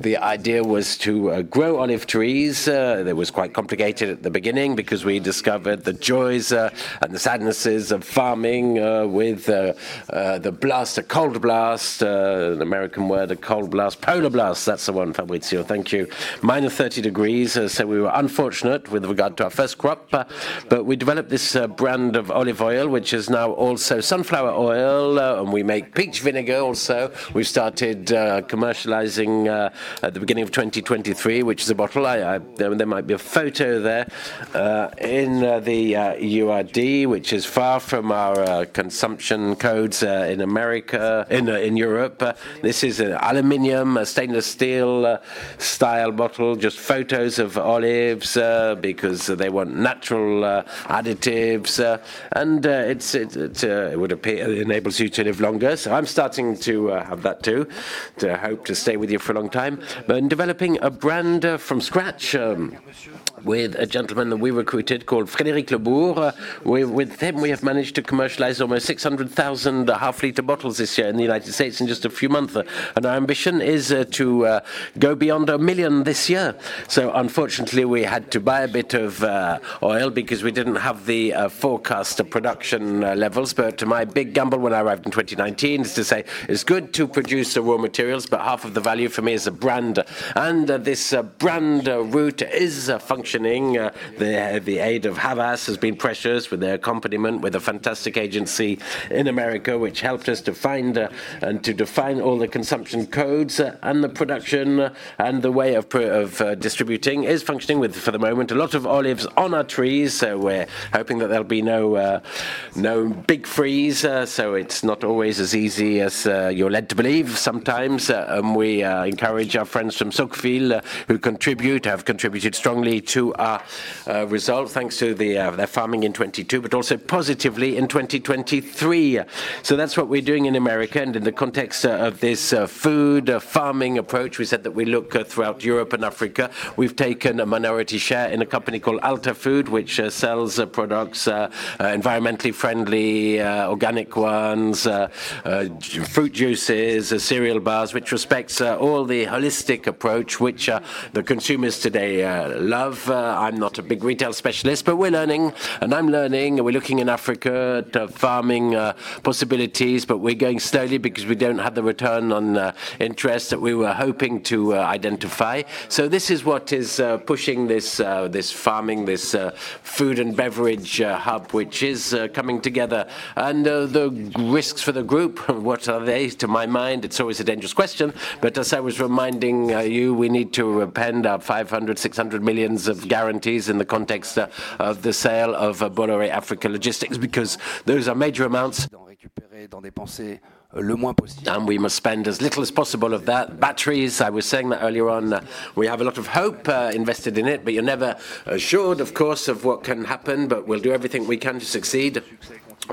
the idea was to grow olive trees. That was quite complicated at the beginning because we discovered the joys and the sadnesses of farming, with the blast, the cold blast, an American word, a cold blast. Polar blast! That's the one from winter. Thank you. -30 degrees, so we were unfortunate with regard to our first crop. But we developed this brand of olive oil, which is now also sunflower oil, and we make peach vinegar also. We started commercializing at the beginning of 2023, which is a bottle. I... There might be a photo there in the URD, which is far from our consumption codes in America, in Europe. This is an aluminum, a stainless steel style bottle, just photos of olives, because they want natural additives, and it would appear it enables you to live longer. So I'm starting to have that, too, to hope to stay with you for a long time. But in developing a brand from scratch, with a gentleman that we recruited called Frédéric Labouche, with him, we have managed to commercialize almost 600,000 half-liter bottles this year in the United States in just a few months. And our ambition is to go beyond a million this year. So unfortunately, we had to buy a bit of oil because we didn't have the forecast of production levels. But my big gamble when I arrived in 2019 is to say, it's good to produce the raw materials, but half of the value for me is a brand. And this brand route is functioning. The aid of Havas has been precious with their accompaniment with a fantastic agency in America, which helped us to find and to define all the consumption codes and the production and the way of distributing is functioning with, for the moment, a lot of olives on our trees, so we're hoping that there'll be no big freeze. So it's not always as easy as you're led to believe sometimes. And we encourage our friends from Socfin, who contribute, have contributed strongly to our result, thanks to their farming in 2022, but also positively in 2023. So that's what we're doing in America, and in the context of this food farming approach, we said that we look throughout Europe and Africa. We've taken a minority share in a company called Alterfood, which sells products environmentally friendly, organic ones, fruit juices, cereal bars, which respects all the holistic approach which the consumers today love. I'm not a big retail specialist, but we're learning, and I'm learning, and we're looking in Africa at farming possibilities, but we're going slowly because we don't have the return on interest that we were hoping to identify. So this is what is pushing this farming, this food and beverage hub, which is coming together. And the risks for the group, what are they? To my mind, it's always a dangerous question, but as I was reminding you, we need to put up 500 million-600 million of guarantees in the context of the sale of Bolloré Africa Logistics, because those are major amounts. And we must spend as little as possible of that. Batteries, I was saying that earlier on, we have a lot of hope invested in it, but you're never assured, of course, of what can happen, but we'll do everything we can to succeed.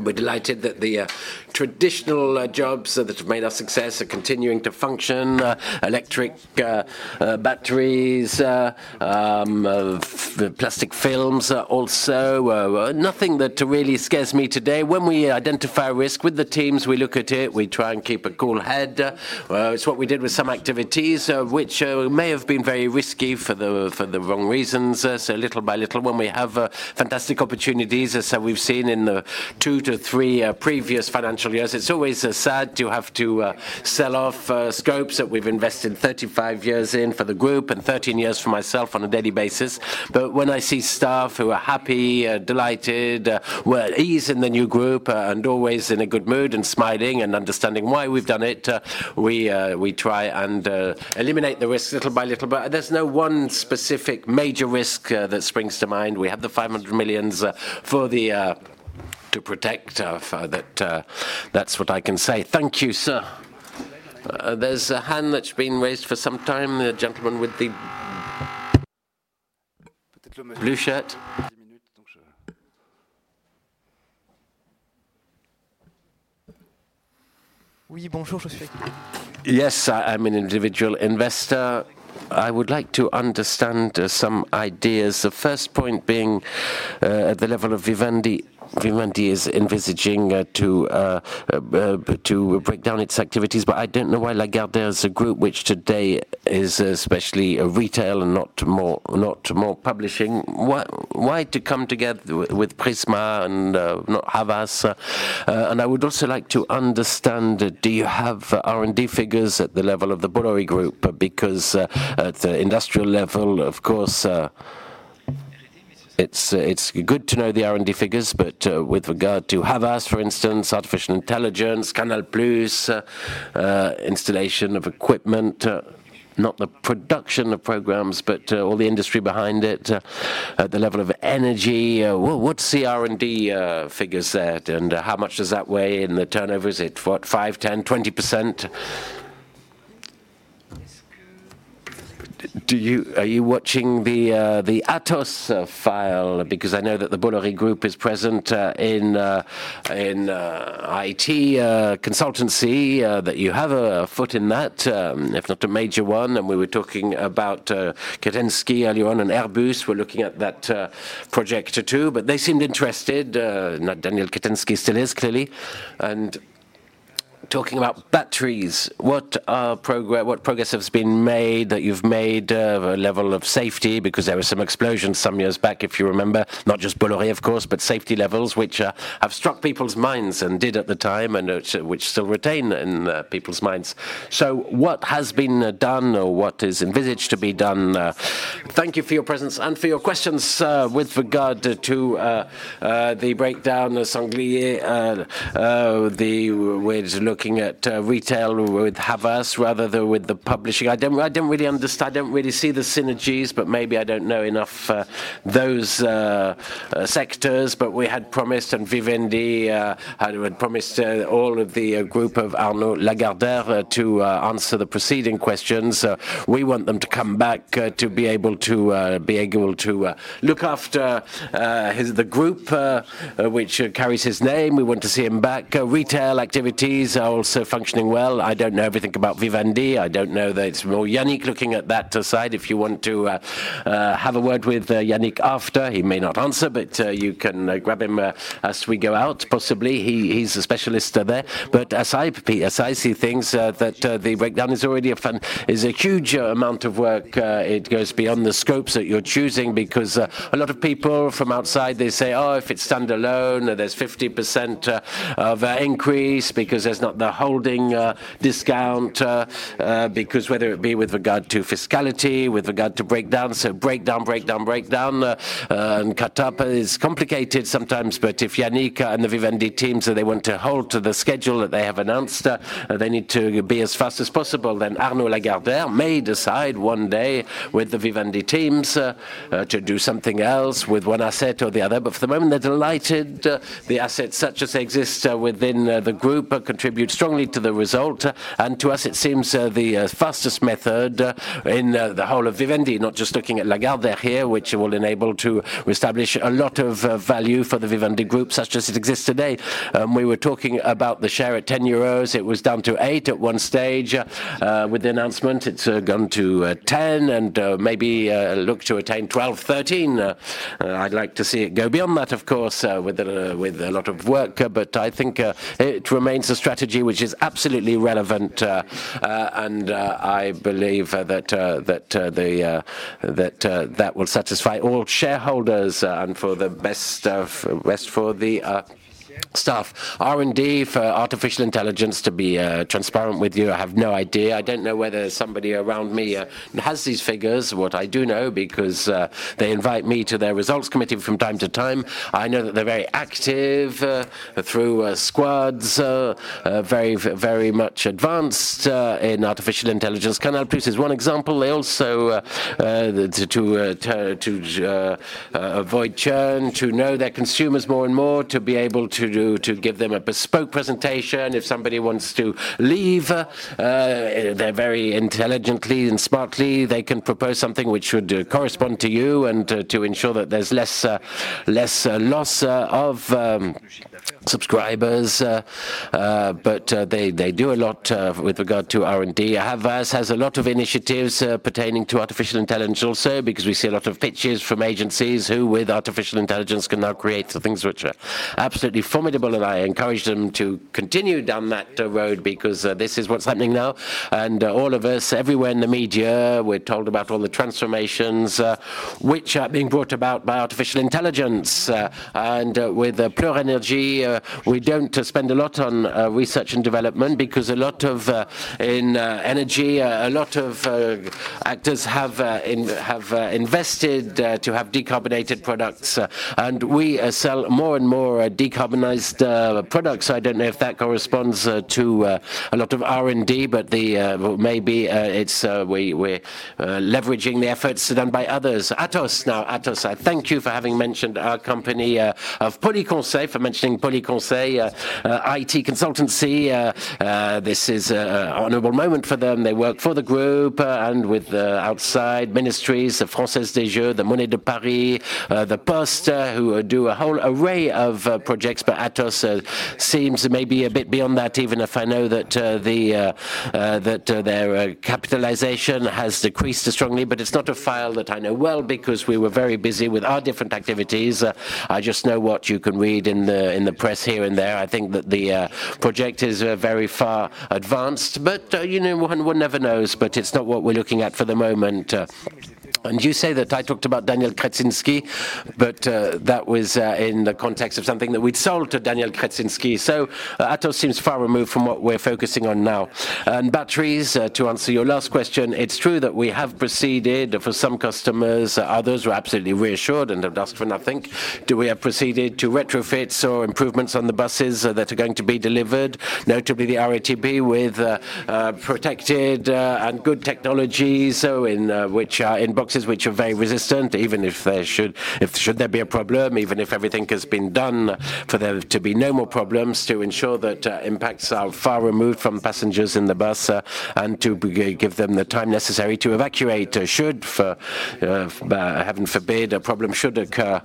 We're delighted that the traditional jobs that have made our success are continuing to function, electric batteries, the plastic films, also. Nothing that really scares me today. When we identify risk with the teams, we look at it, we try and keep a cool head. It's what we did with some activities, which may have been very risky for the wrong reasons. So little by little, when we have fantastic opportunities, as we've seen in the two to three previous financial years, it's always sad to have to sell off scopes that we've invested 35 years in for the group and 13 years for myself on a daily basis. But when I see staff who are happy, delighted, well, ease in the new group, and always in a good mood and smiling and understanding why we've done it, we try and eliminate the risks little by little. But there's no one specific major risk that springs to mind. We have the 500 million for the.... to protect, for that, that's what I can say. Thank you, sir. There's a hand that's been raised for some time, the gentleman with the blue shirt. Yes, I am an individual investor. I would like to understand, some ideas. The first point being, at the level of Vivendi. Vivendi is envisaging, to, to break down its activities, but I don't know why Lagardère is a group which today is especially a retail and not more, not more publishing. Why, why to come together with Prisma and, not Havas? And I would also like to understand, do you have R&D figures at the level of the Bolloré group? Because, at the industrial level, of course, it's, it's good to know the R&D figures, but, with regard to Havas, for instance, artificial intelligence, Canal+, installation of equipment, not the production of programs, but, all the industry behind it, at the level of energy. What's the R&D figures there, and how much does that weigh in the turnover? Is it what, five, 10, 20%? Do you-- Are you watching the, the Atos file? Because I know that the Bolloré Group is present, in, IT consultancy, that you have a foot in that, if not a major one. And we were talking about, Kretinsky earlier on, and Airbus, we're looking at that, project too. But they seemed interested, not Daniel Kretinsky still is, clearly. Talking about batteries, what progress has been made that you've made of a level of safety? Because there were some explosions some years back, if you remember. Not just Bolloré, of course, but safety levels, which have struck people's minds and did at the time, and which still retain in people's minds. So what has been done or what is envisaged to be done? Thank you for your presence and for your questions. With regard to the breakdown of Lagardère, the way it's looking at retail with Havas rather than with the publishing. I don't really see the synergies, but maybe I don't know enough those sectors. But we had promised, and Vivendi had promised all of the group of Arnaud Lagardère to answer the preceding questions. We want them to come back to be able to look after his group which carries his name. We want to see him back. Retail activities are also functioning well. I don't know everything about Vivendi. I don't know that it's more Yannick looking at that side. If you want to have a word with Yannick after, he may not answer, but you can grab him as we go out. Possibly, he's a specialist there. But as I see things, that the breakdown is already a huge amount of work. It goes beyond the scopes that you're choosing because a lot of people from outside, they say, "Oh, if it's standalone, there's 50% of increase because there's not the holding discount," because whether it be with regard to fiscality, with regard to breakdown. So breakdown, breakdown, breakdown, and cut up is complicated sometimes. But if Yannick and the Vivendi teams, so they want to hold to the schedule that they have announced, they need to be as fast as possible, then Arnaud Lagardère may decide one day with the Vivendi teams to do something else with one asset or the other. But for the moment, they're delighted. The assets, such as they exist, within the group, contribute strongly to the result. To us, it seems the fastest method in the whole of Vivendi, not just looking at Lagardère here, which will enable to reestablish a lot of value for the Vivendi group, such as it exists today. We were talking about the share at 10 euros. It was down to 8 at one stage. With the announcement, it's gone to 10 and maybe look to attain 12-13. I'd like to see it go beyond that, of course, with a lot of work. But I think it remains a strategy which is absolutely relevant, and I believe that that will satisfy all shareholders, and for the best of, best for the staff. R&D for artificial intelligence, to be transparent with you, I have no idea. I don't know whether somebody around me has these figures. What I do know, because they invite me to their results committee from time to time, I know that they're very active through squads, very, very much advanced in artificial intelligence. Canal+ is one example. They also to avoid churn, to know their consumers more and more, to be able to do, to give them a bespoke presentation. If somebody wants to leave, they're very intelligently and smartly, they can propose something which would correspond to you and to ensure that there's less loss of subscribers. But they do a lot with regard to R&D. Havas has a lot of initiatives pertaining to artificial intelligence also, because we see a lot of pitches from agencies who, with artificial intelligence, can now create the things which are absolutely formidable. And I encourage them to continue down that road because this is what's happening now. And all of us, everywhere in the media, we're told about all the transformations which are being brought about by artificial intelligence. And with Bolloré Energy, we don't spend a lot on research and development because a lot of actors in energy have invested to have decarbonated products. And we sell more and more decarbonized products. I don't know if that corresponds to a lot of R&D, but maybe it's we're leveraging the efforts done by others. Atos, now, Atos, I thank you for having mentioned our company of Polyconseil, for mentioning Polyconseil, IT consultancy. This is an honorable moment for them. They work for the group, and with the outside ministries, the Française des Jeux, the Monnaie de Paris, La Poste, who do a whole array of projects. But Atos seems maybe a bit beyond that, even if I know that the that their capitalization has decreased strongly. But it's not a file that I know well because we were very busy with our different activities. I just know what you can read in the in the press here and there. I think that the project is very far advanced, but you know, one never knows, but it's not what we're looking at for the moment. And you say that I talked about Daniel Kretinsky, but that was in the context of something that we'd sold to Daniel Kretinsky. So Atos seems far removed from what we're focusing on now. And batteries, to answer your last question, it's true that we have proceeded for some customers. Others were absolutely reassured and have asked for nothing. Do we have proceeded to retrofits or improvements on the buses that are going to be delivered? Notably, the RATP with protected and good technologies, so in boxes which are very resistant, even if there should be a problem, even if everything has been done for there to be no more problems, to ensure that impacts are far removed from passengers in the bus, and to give them the time necessary to evacuate, should, heaven forbid, a problem should occur.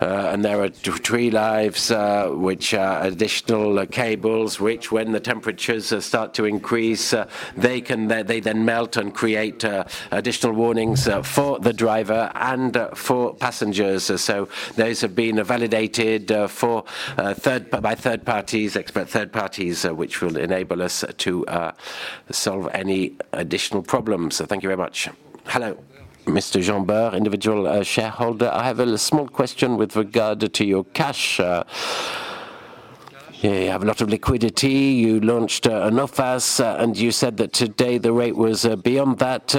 And there are two redundancies, which are additional cables, which when the temperatures start to increase, they then melt and create additional warnings for the driver and for passengers. So those have been validated by third parties, expert third parties, which will enable us to solve any additional problems. So thank you very much. Hello, Mr. Jean Bernd, individual shareholder. I have a small question with regard to your cash. You have a lot of liquidity. You launched an OPAS, and you said that today the rate was beyond that.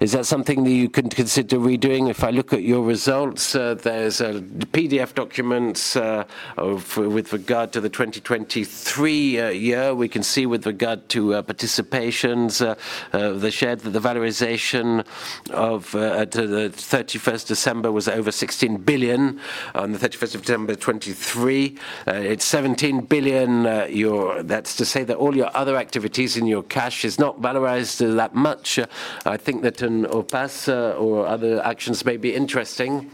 Is that something that you can consider redoing? If I look at your results, there's PDF documents with regard to the 2023 year. We can see with regard to participations, the share, the valorization of to the 31 December was over 16 billion. On the 31 of December 2023, it's 17 billion. That's to say that all your other activities in your cash is not valorized that much. I think that an OPAS or other actions may be interesting.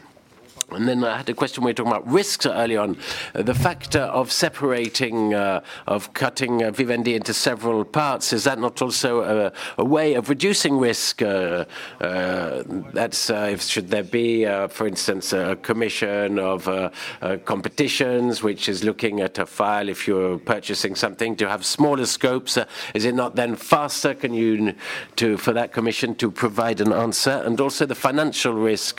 And then I had a question where you were talking about risks early on. The factor of separating, of cutting, Vivendi into several parts, is that not also a way of reducing risk? That's, should there be, for instance, a commission of competitions, which is looking at a file, if you're purchasing something, to have smaller scopes, is it not then faster for that commission to provide an answer? And also the financial risk,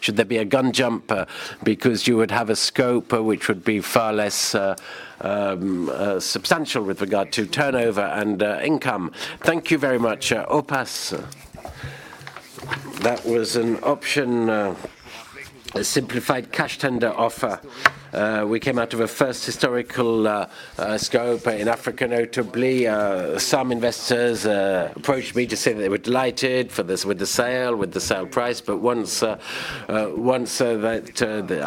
should there be a gun jumper, because you would have a scope which would be far less substantial with regard to turnover and income. Thank you very much. OPAS, that was an option, a simplified cash tender offer. We came out of a first historical scope in Africa, notably. Some investors approached me to say that they were delighted for this with the sale, with the sale price. But once that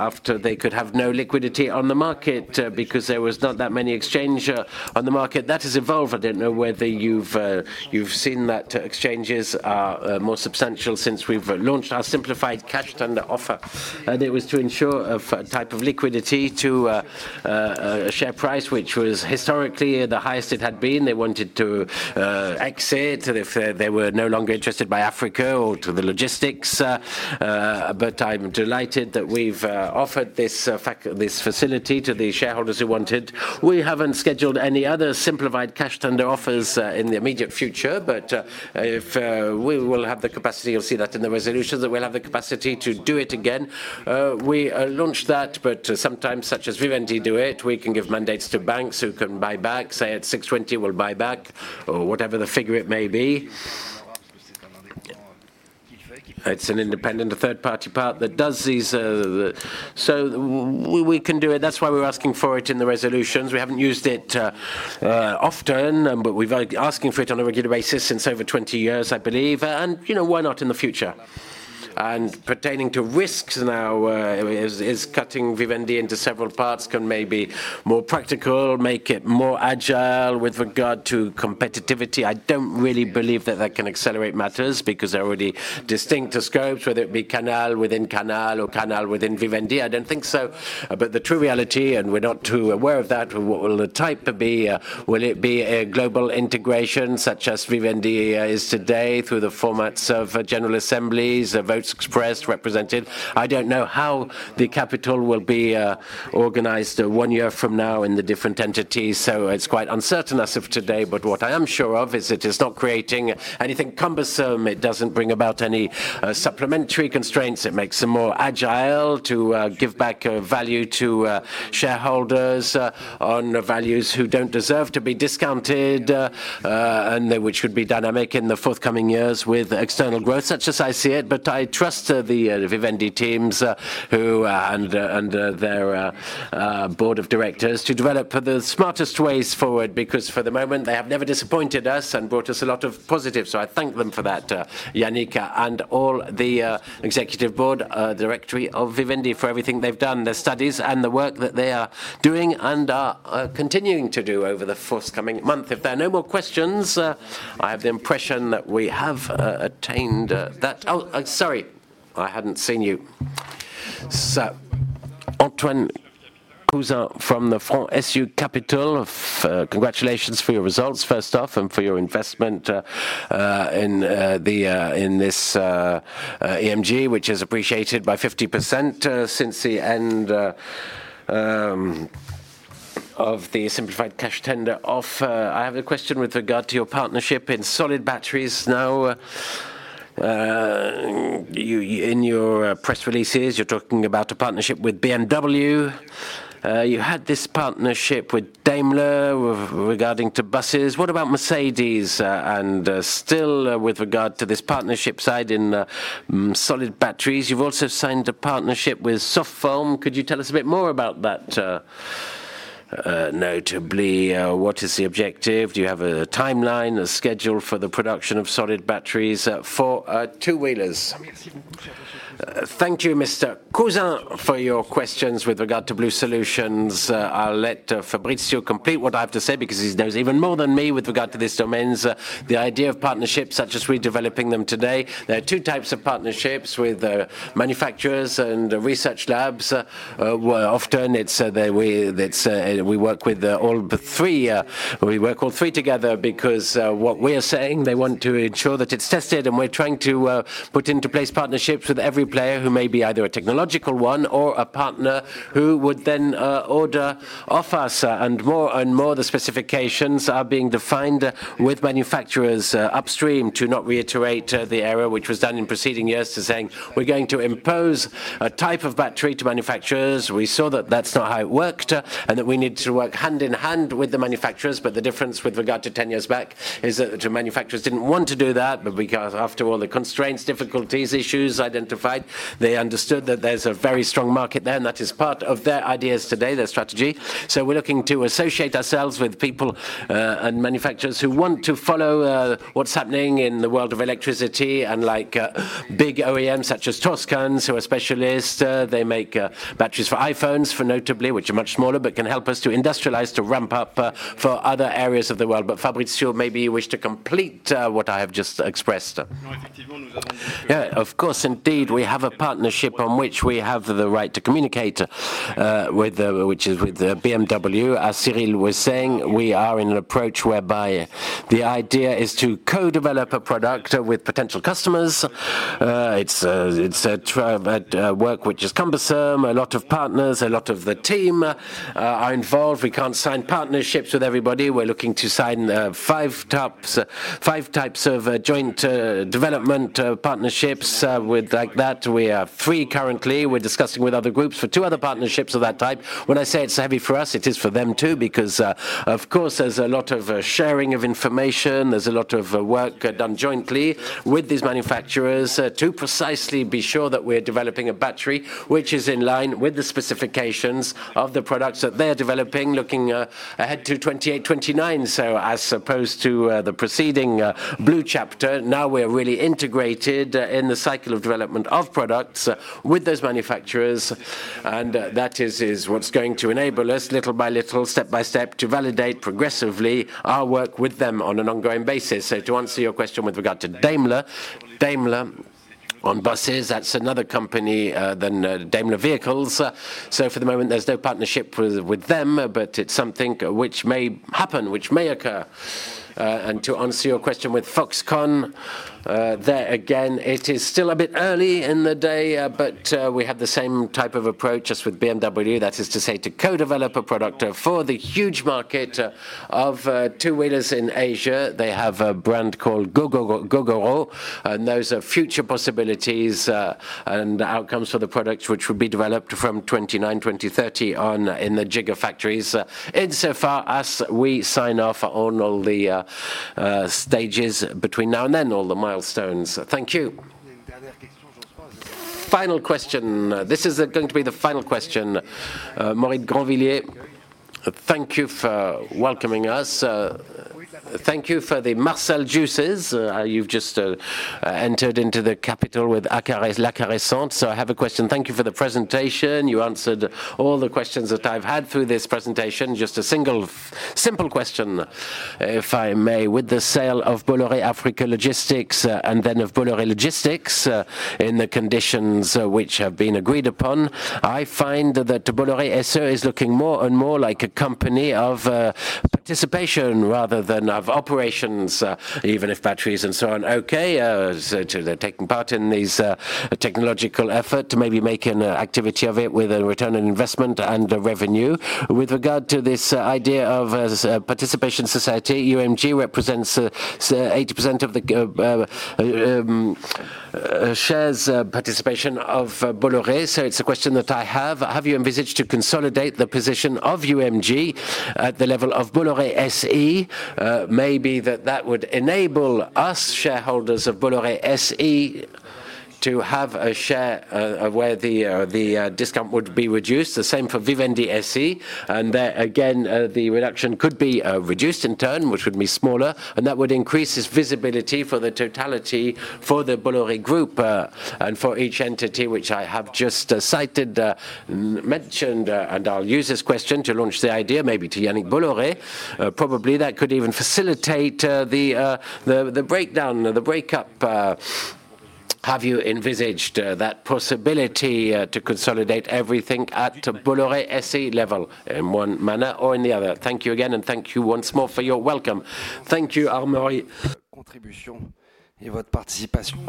after they could have no liquidity on the market, because there was not that many exchange on the market, that has evolved. I don't know whether you've seen that exchanges are more substantial since we've launched our simplified cash tender offer. And it was to ensure a type of liquidity to a share price, which was historically the highest it had been. They wanted to exit, if they were no longer interested by Africa or to the logistics. But I'm delighted that we've offered this facility to the shareholders who wanted. We haven't scheduled any other simplified cash tender offers in the immediate future, but if we will have the capacity, you'll see that in the resolution, that we'll have the capacity to do it again. We launched that, but sometimes, such as Vivendi do it, we can give mandates to banks who can buy back, say, at 6.20, we'll buy back, or whatever the figure it may be. It's an independent, a third-party party that does these. So we can do it. That's why we're asking for it in the resolutions. We haven't used it often, but we've, like, asking for it on a regular basis since over 20 years, I believe. You know, why not in the future? Pertaining to risks now, is cutting Vivendi into several parts can may be more practical, make it more agile with regard to competitiveness. I don't really believe that can accelerate matters, because they're already distinct scopes, whether it be Canal within Canal or Canal within Vivendi. I don't think so. But the true reality, and we're not too aware of that, what will the type be? Will it be a global integration such as Vivendi is today through the formats of general assemblies, the votes expressed, represented? I don't know how the capital will be organized one year from now in the different entities, so it's quite uncertain as of today. But what I am sure of is it is not creating anything cumbersome. It doesn't bring about any supplementary constraints. It makes them more agile to give back value to shareholders on values who don't deserve to be discounted, and which would be dynamic in the forthcoming years with external growth, such as I see it. But I trust the Vivendi teams, who and their board of directors to develop the smartest ways forward, because for the moment, they have never disappointed us and brought us a lot of positive. So I thank them for that, Yannick and all the executive board, directorate of Vivendi, for everything they've done, the studies and the work that they are doing and are continuing to do over the forthcoming month. If there are no more questions, I have the impression that we have attained that. Oh, sorry, I hadn't seen you. Antoine Cousin from Phitrust. Congratulations for your results, first off, and for your investment in this UMG, which is appreciated by 50% since the end of the simplified cash tender offer. I have a question with regard to your partnership in solid-state batteries. Now, you in your press releases, you're talking about a partnership with BMW. You had this partnership with Daimler regarding buses. What about Mercedes? And still, with regard to this partnership side in solid-state batteries, you've also signed a partnership with Foxconn. Could you tell us a bit more about that, notably what is the objective? Do you have a timeline, a schedule for the production of solid-state batteries for two-wheelers? Thank you, Mr. Cousin, for your questions with regard to Blue Solutions. I'll let Fabricio complete what I have to say, because he knows even more than me with regard to these domains. The idea of partnerships, such as we're developing them today, there are two types of partnerships with manufacturers and research labs. Well, often it's the way we work with all the three, we work all three together because what we are saying, they want to ensure that it's tested, and we're trying to put into place partnerships with every player who may be either a technological one or a partner who would then order off us. More and more, the specifications are being defined with manufacturers upstream, to not reiterate the error which was done in preceding years to saying, "We're going to impose a type of battery to manufacturers." We saw that that's not how it worked, and that we need to work hand-in-hand with the manufacturers. But the difference with regard to ten years back is that the manufacturers didn't want to do that. But because after all the constraints, difficulties, issues identified, they understood that there's a very strong market there, and that is part of their ideas today, their strategy. So we're looking to associate ourselves with people and manufacturers who want to follow what's happening in the world of electricity, and like big OEMs such as Foxconn, who are specialists. They make batteries for iPhones, notably, which are much smaller, but can help us to industrialize, to ramp up, for other areas of the world. But Fabricio, maybe you wish to complete what I have just expressed. Yeah, of course. Indeed, we have a partnership on which we have the right to communicate with, which is with BMW. As Cyrille was saying, we are in an approach whereby the idea is to co-develop a product with potential customers. It's a work which is cumbersome. A lot of partners, a lot of the team are involved. We can't sign partnerships with everybody. We're looking to sign five tops, five types of joint development partnerships with like that. We have three currently. We're discussing with other groups for two other partnerships of that type. When I say it's heavy for us, it is for them, too, because, of course, there's a lot of sharing of information. There's a lot of work done jointly with these manufacturers, to precisely be sure that we're developing a battery which is in line with the specifications of the products that they're developing, looking ahead to 2028, 2029. So as opposed to the preceding Bluecar, now we're really integrated in the cycle of development of products with those manufacturers, and that is, is what's going to enable us, little by little, step by step, to validate progressively our work with them on an ongoing basis. So to answer your question with regard to Daimler, Daimler on buses, that's another company than Daimler Vehicles. So for the moment, there's no partnership with, with them, but it's something which may happen, which may occur. And to answer your question with Foxconn, there again, it is still a bit early in the day, but, we have the same type of approach as with BMW. That is to say, to co-develop a product, for the huge market, of, two-wheelers in Asia. They have a brand called Gogoro, Gogoro, and those are future possibilities, and outcomes for the products which will be developed from 2029, 2030 on in the giga factories, insofar as we sign off on all the, stages between now and then, all the milestones. Thank you. Final question. This is going to be the final question. Amaury Granville, thank you for welcoming us. Thank you for the Marcel juices. You've just entered into the capital with Acaress, l'Acaressante. So I have a question. Thank you for the presentation. You answered all the questions that I've had through this presentation. Just a single, simple question, if I may. With the sale of Bolloré Africa Logistics and then of Bolloré Logistics, in the conditions which have been agreed upon, I find that Bolloré SE is looking more and more like a company of participation rather than of operations, even if batteries and so on. Okay, so they're taking part in these technological effort to maybe make an activity of it with a return on investment and a revenue. With regard to this idea of a participation society, UMG represents 80% of the shares participation of Bolloré. So it's a question that I have. Have you envisaged to consolidate the position of UMG at the level of Bolloré SE? Maybe that would enable us, shareholders of Bolloré SE, to have a share of where the discount would be reduced. The same for Vivendi SE, and there again, the reduction could be reduced in turn, which would be smaller, and that would increase its visibility for the totality for the Bolloré Group, and for each entity which I have just cited, mentioned. And I'll use this question to launch the idea, maybe to Yannick Bolloré. Probably, that could even facilitate the breakdown, the breakup. Have you envisaged that possibility to consolidate everything at Bolloré SE level in one manner or in the other? Thank you again, and thank you once more for your welcome. Thank you, Amaury,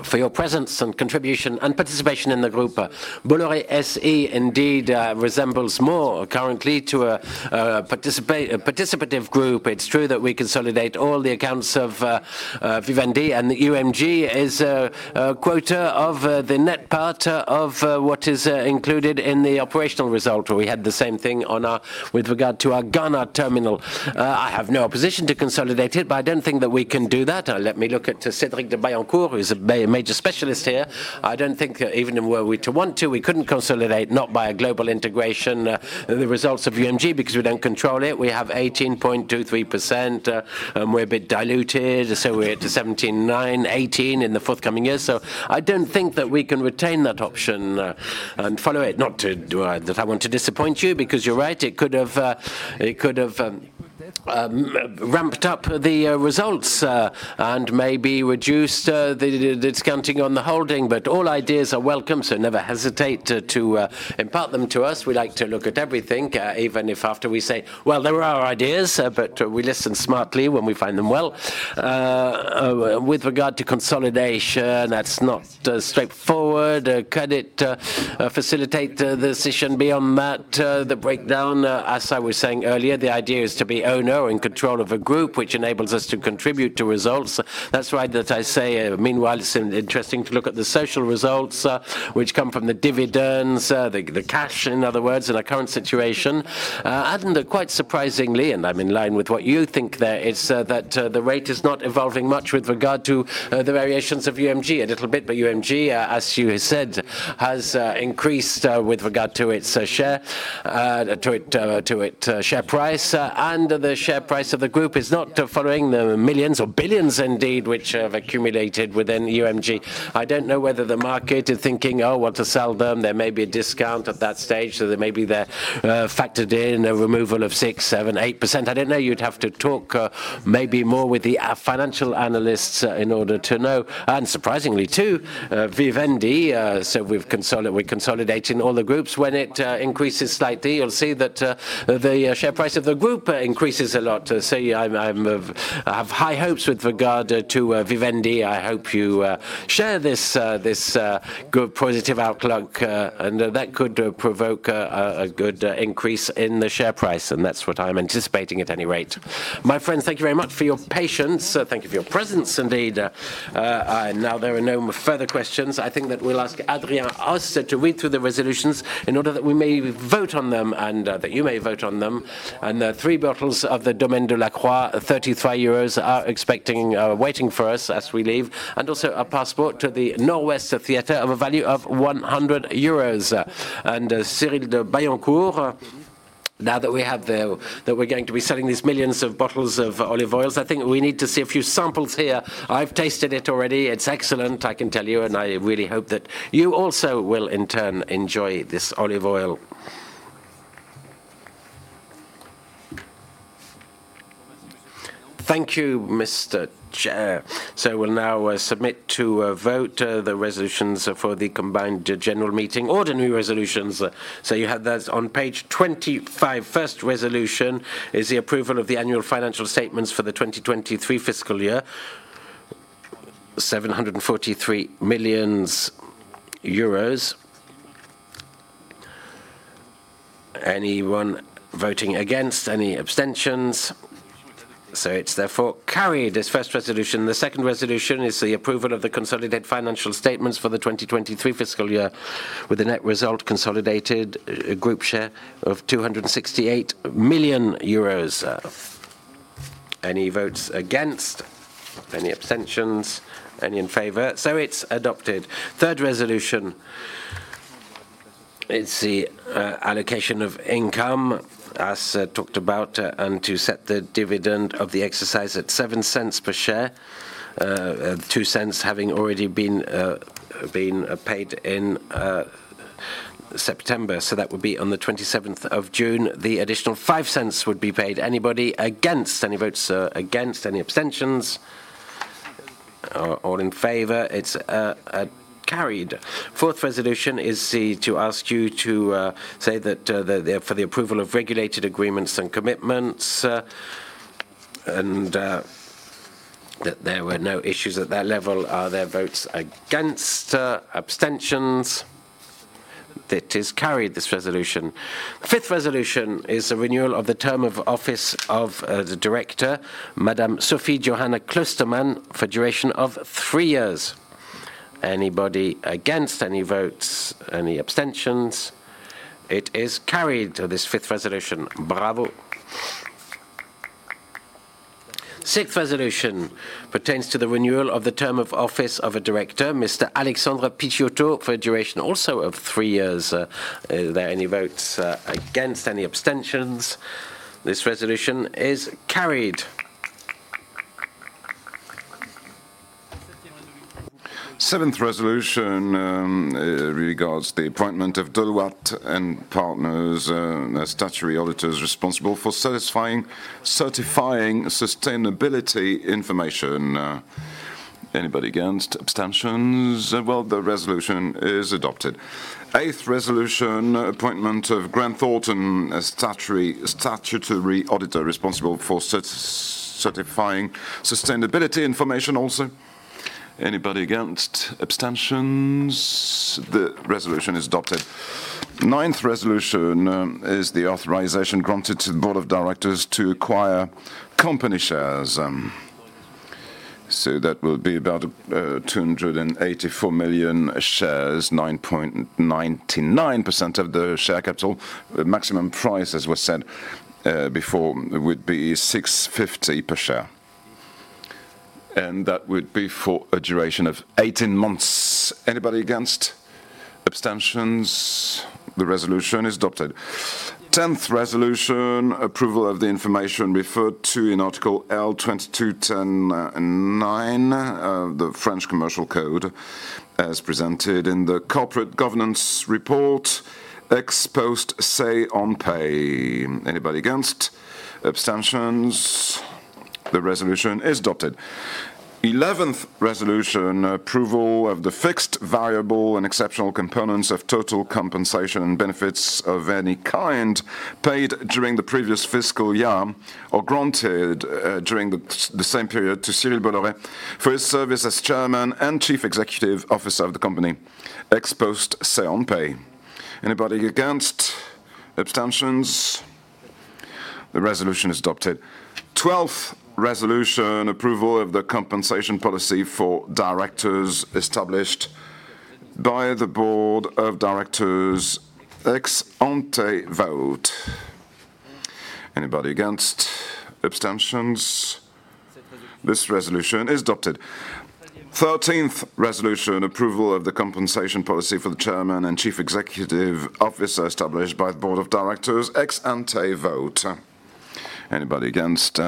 for your presence and contribution and participation in the group. Bolloré SE indeed resembles more currently to a participative group. It's true that we consolidate all the accounts of Vivendi, and the UMG is a quota of the net part of what is included in the operational result. We had the same thing with regard to our Ghana terminal. I have no opposition to consolidate it, but I don't think that we can do that. Let me look at Cédric de Bailliencourt, who is a major specialist here. I don't think, even were we to want to, we couldn't consolidate, not by a global integration, the results of UMG because we don't control it. We have 18.23%, and we're a bit diluted, so we're at 17.9%, 18% in the forthcoming years. So I don't think that we can retain that option and follow it. Not to that I want to disappoint you, because you're right, it could have ramped up the results and maybe reduced the discounting on the holding. But all ideas are welcome, so never hesitate to impart them to us. We like to look at everything, even if after we say, "Well, they were our ideas," but we listen smartly when we find them well. With regard to consolidation, that's not straightforward. Could it facilitate the decision beyond that? The breakdown, as I was saying earlier, the idea is to be owner in control of a group, which enables us to contribute to results. That's why that I say, meanwhile, it's interesting to look at the social results, which come from the dividends, the cash, in other words, in our current situation. And quite surprisingly, and I'm in line with what you think there, is, that, the rate is not evolving much with regard to, the variations of UMG. A little bit, but UMG, as you said, has increased, with regard to its share price. And the share price of the group is not following the millions or billions indeed, which have accumulated within UMG. I don't know whether the market is thinking, "Oh, want to sell them?" There may be a discount at that stage, so there may be factored in, a removal of 6%, 7%, 8%. I don't know. You'd have to talk, maybe more with the financial analysts, in order to know. And surprisingly, too, Vivendi, so we're consolidating all the groups. When it increases slightly, you'll see that the share price of the group increases a lot. So yeah, I have high hopes with regard to Vivendi. I hope you share this good positive outlook, and that could provoke a good increase in the share price, and that's what I'm anticipating, at any rate. My friends, thank you very much for your patience. Thank you for your presence, indeed. And now there are no further questions. I think that we'll ask Adrien Assé to read through the resolutions in order that we may vote on them and that you may vote on them. And three bottles of the Domaine de la Croix, 33 euros, are waiting for us as we leave, and also a passport to the Northwest Theater of a value of 100 euros. And Cédric de Bailliencourt, now that we have the... That we're going to be selling these millions of bottles of olive oils, I think we need to see a few samples here. I've tasted it already. It's excellent, I can tell you, and I really hope that you also will, in turn, enjoy this olive oil. Thank you, Mr. Chair. So we'll now submit to a vote the resolutions for the combined general meeting, ordinary resolutions. So you have those on page 25. First resolution is the approval of the annual financial statements for the 2023 fiscal year, 743 million euros. Anyone voting against? Any abstentions? So it's therefore carried, this first resolution. The second resolution is the approval of the consolidated financial statements for the 2023 fiscal year, with a net result consolidated group share of 268 million euros. Any votes against? Any abstentions? Any in favor? So it's adopted. Third resolution is the allocation of income, as talked about, and to set the dividend of the exercise at 0.07 per share, 0.02 having already been paid in September. So that would be on the 27th of June, the additional 0.05 would be paid. Anybody against? Any votes against? Any abstentions? Or all in favor? It's carried. Fourth resolution is the to ask you to say that the for the approval of regulated agreements and commitments and that there were no issues at that level. Are there votes against, abstentions? It is carried, this resolution. The fifth resolution is a renewal of the term of office of the director, Madame Sophie-Johanna Klostermann, for duration of three years. Anybody against? Any votes? Any abstentions? It is carried, this fifth resolution. Bravo. Sixth resolution pertains to the renewal of the term of office of a director, Mr. Alexandre Picciotto, for a duration also of three years. Are there any votes against? Any abstentions? This resolution is carried. Seventh resolution regards the appointment of Deloitte and partners, statutory auditors responsible for satisfying, certifying sustainability information. Anybody against? Abstentions? Well, the resolution is adopted. Eighth resolution, appointment of Grant Thornton as statutory auditor responsible for certifying sustainability information also. Anybody against? Abstentions? The resolution is adopted. Ninth resolution is the authorization granted to the board of directors to acquire company shares. So that will be about 284 million shares, 9.99% of the share capital. The maximum price, as was said before, would be 6.50 per share, and that would be for a duration of 18 months. Anybody against? Abstentions? The resolution is adopted. 10th resolution, approval of the information referred to in Article L2210-9 of the French Commercial Code, as presented in the corporate governance report, ex post Say on Pay. Anybody against? Abstentions? The resolution is adopted. 11th resolution, approval of the fixed, variable, and exceptional components of total compensation and benefits of any kind paid during the previous fiscal year or granted during the same period to Cyrille Bolloré for his service as Chairman and Chief Executive Officer of the company, ex post Say on Pay. Anybody against? Abstentions? The resolution is adopted. 12th resolution, approval of the compensation policy for directors established by the board of directors, ex ante vote. Anybody against? Abstentions? This resolution is adopted. 13th resolution, approval of the compensation policy for the Chairman and Chief Executive Officer established by the board of directors, ex ante vote. Anybody against?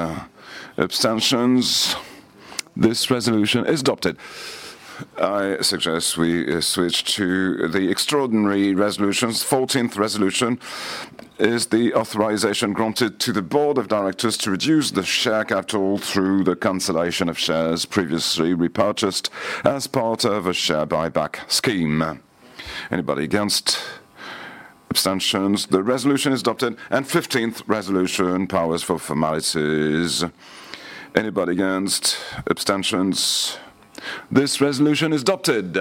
Abstentions? This resolution is adopted. I suggest we switch to the extraordinary resolutions. 14th resolution is the authorization granted to the board of directors to reduce the share capital through the cancellation of shares previously repurchased as part of a share buyback scheme. Anybody against? Abstentions? The resolution is adopted. 15th resolution, powers for formalities. Anybody against? Abstentions? This resolution is adopted.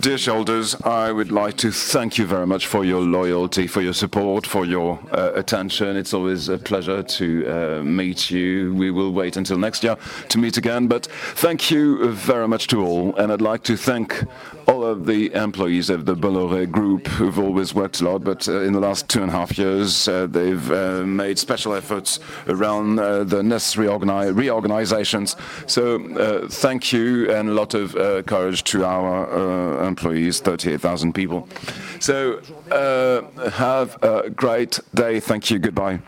Dear shareholders, I would like to thank you very much for your loyalty, for your support, for your attention. It's always a pleasure to meet you. We will wait until next year to meet again. Thank you very much to all, and I'd like to thank all of the employees of the Bolloré group who've always worked a lot. In the last two and a half years, they've made special efforts around the necessary reorganizations. So, thank you, and a lot of courage to our employees, 38,000 people. So, have a great day. Thank you. Goodbye.